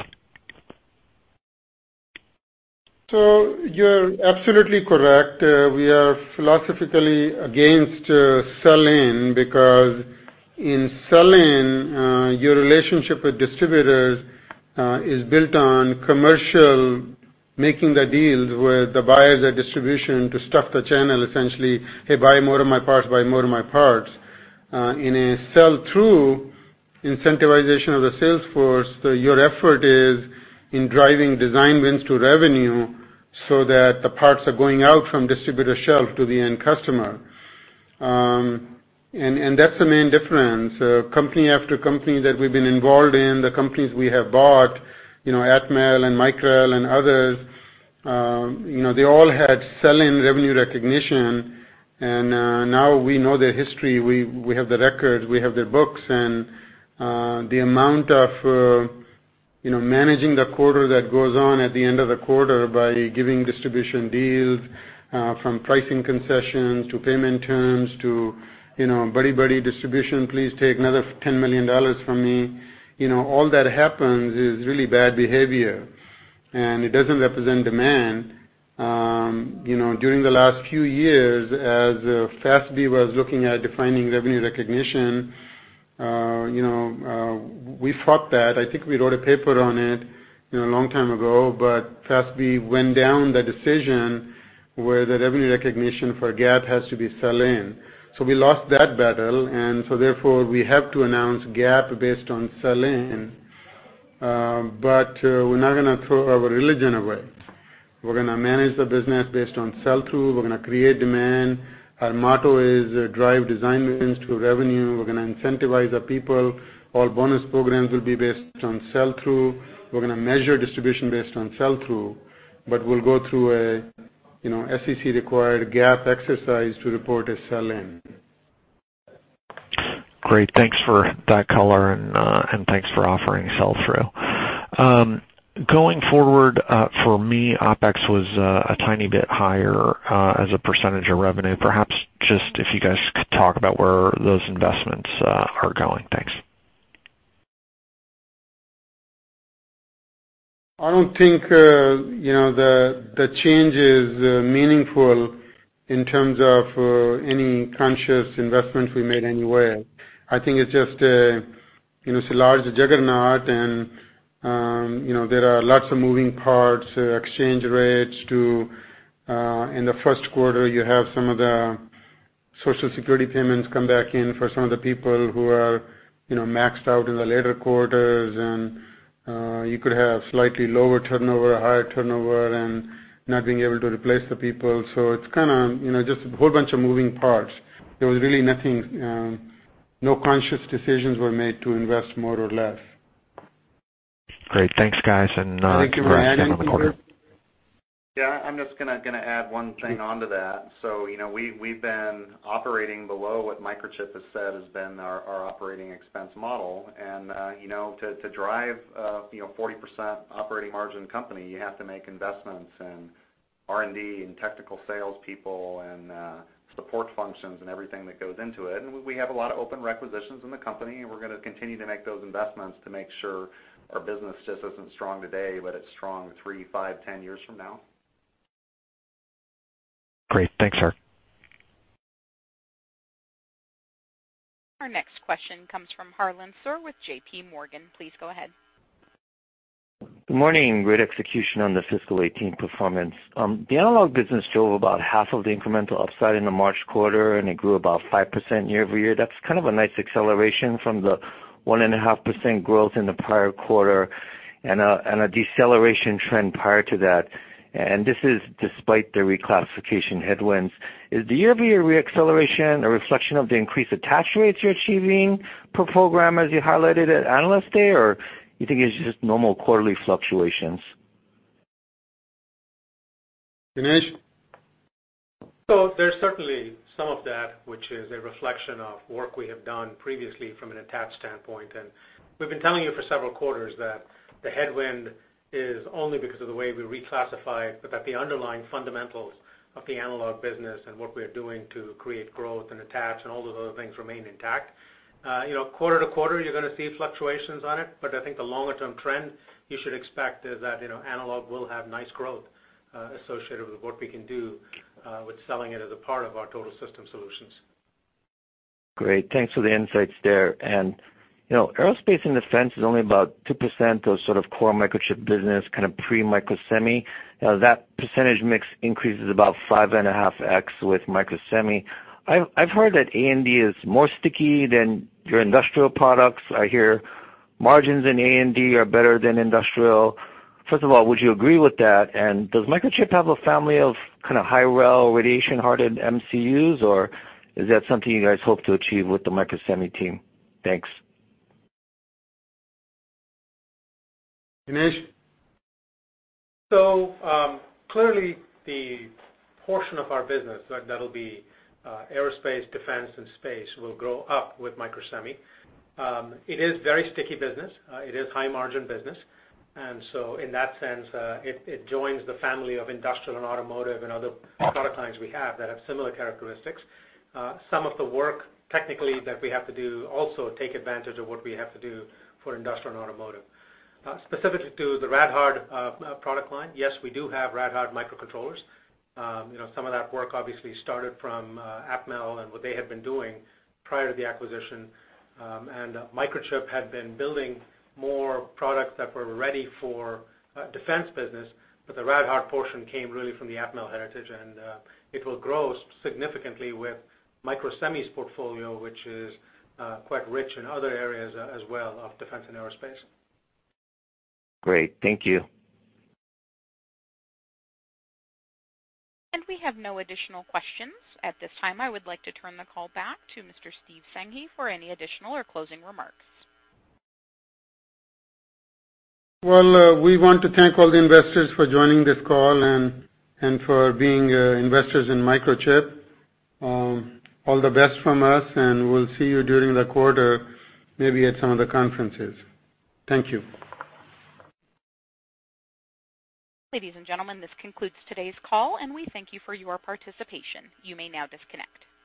B: You're absolutely correct. We are philosophically against sell-in because in sell-in, your relationship with distributors is built on commercial, making the deals where the buyers are distribution to stuff the channel, essentially, "Hey, buy more of my parts, buy more of my parts." In a sell-through incentivization of the sales force, your effort is in driving design wins to revenue so that the parts are going out from distributor shelf to the end customer. That's the main difference. Company after company that we've been involved in, the companies we have bought, Atmel and Micrel and others, they all had sell-in revenue recognition and now we know their history. We have the record, we have their books and the amount of managing the quarter that goes on at the end of the quarter by giving distribution deals, from pricing concessions to payment terms to buddy-buddy distribution, please take another $10 million from me. All that happens is really bad behavior, and it doesn't represent demand. During the last few years, as FASB was looking at defining revenue recognition, we fought that. I think we wrote a paper on it a long time ago, FASB went down the decision where the revenue recognition for GAAP has to be sell-in. We lost that battle, therefore, we have to announce GAAP based on sell-in. We're not going to throw our religion away. We're going to manage the business based on sell-through. We're going to create demand. Our motto is drive design wins to revenue. We're going to incentivize our people. All bonus programs will be based on sell-through. We're going to measure distribution based on sell-through, but we'll go through a SEC-required GAAP exercise to report a sell-in.
O: Great. Thanks for that color and thanks for offering sell-through. Going forward, for me, OpEx was a tiny bit higher as a percentage of revenue. Perhaps just if you guys could talk about where those investments are going. Thanks.
B: I don't think the change is meaningful in terms of any conscious investments we made anywhere. I think it's just a large juggernaut and there are lots of moving parts, exchange rates too. In the first quarter, you have some of the Social Security payments come back in for some of the people who are maxed out in the later quarters, and you could have slightly lower turnover, higher turnover, and not being able to replace the people. It's just a whole bunch of moving parts. There was really nothing. No conscious decisions were made to invest more or less.
O: Great. Thanks, guys.
B: Thank you for adding. [inaudible]
O: for the end of the quarter.
C: Yeah, I'm just going to add one thing onto that. We've been operating below what Microchip has said has been our operating expense model. To drive a 40% operating margin company, you have to make investments in R&D, in technical salespeople, and support functions and everything that goes into it. We have a lot of open requisitions in the company, and we're going to continue to make those investments to make sure our business just isn't strong today, but it's strong three, five, 10 years from now.
O: Great. Thanks, sir.
A: Our next question comes from Harlan Sur with J.P. Morgan. Please go ahead.
P: Good morning. Great execution on the fiscal 2018 performance. The analog business drove about half of the incremental upside in the March quarter, and it grew about 5% year-over-year. That's kind of a nice acceleration from the 1.5% growth in the prior quarter and a deceleration trend prior to that, and this is despite the reclassification headwinds. Is the year-over-year reacceleration a reflection of the increased attach rates you're achieving per program as you highlighted at Analyst Day, or you think it's just normal quarterly fluctuations?
B: Ganesh?
D: There's certainly some of that, which is a reflection of work we have done previously from an attach standpoint. We've been telling you for several quarters that the headwind is only because of the way we reclassify, that the underlying fundamentals of the analog business and what we are doing to create growth and attach and all those other things remain intact. Quarter to quarter, you're going to see fluctuations on it, I think the longer-term trend you should expect is that analog will have nice growth associated with what we can do with selling it as a part of our total system solutions.
P: Great. Thanks for the insights there. Aerospace and Defense is only about 2% of core Microchip business, pre-Microsemi. That percentage mix increases about 5.5x with Microsemi. I've heard that A&D is more sticky than your industrial products. I hear margins in A&D are better than industrial. First of all, would you agree with that, and does Microchip have a family of high-rel radiation-hardened MCUs, or is that something you guys hope to achieve with the Microsemi team? Thanks.
B: Ganesh?
D: Clearly the portion of our business that'll be Aerospace, Defense and Space will grow up with Microsemi. It is very sticky business. It is high-margin business. In that sense, it joins the family of industrial and automotive and other product lines we have that have similar characteristics. Some of the work technically that we have to do also take advantage of what we have to do for industrial and automotive. Specifically to the rad-hard product line, yes, we do have rad-hard microcontrollers. Some of that work obviously started from Atmel and what they had been doing prior to the acquisition. Microchip had been building more products that were ready for defense business, but the rad-hard portion came really from the Atmel heritage, and it will grow significantly with Microsemi's portfolio, which is quite rich in other areas as well of defense and aerospace.
P: Great. Thank you.
A: We have no additional questions at this time. I would like to turn the call back to Mr. Steve Sanghi for any additional or closing remarks.
B: We want to thank all the investors for joining this call and for being investors in Microchip. All the best from us, and we'll see you during the quarter, maybe at some of the conferences. Thank you.
A: Ladies and gentlemen, this concludes today's call. We thank you for your participation. You may now disconnect.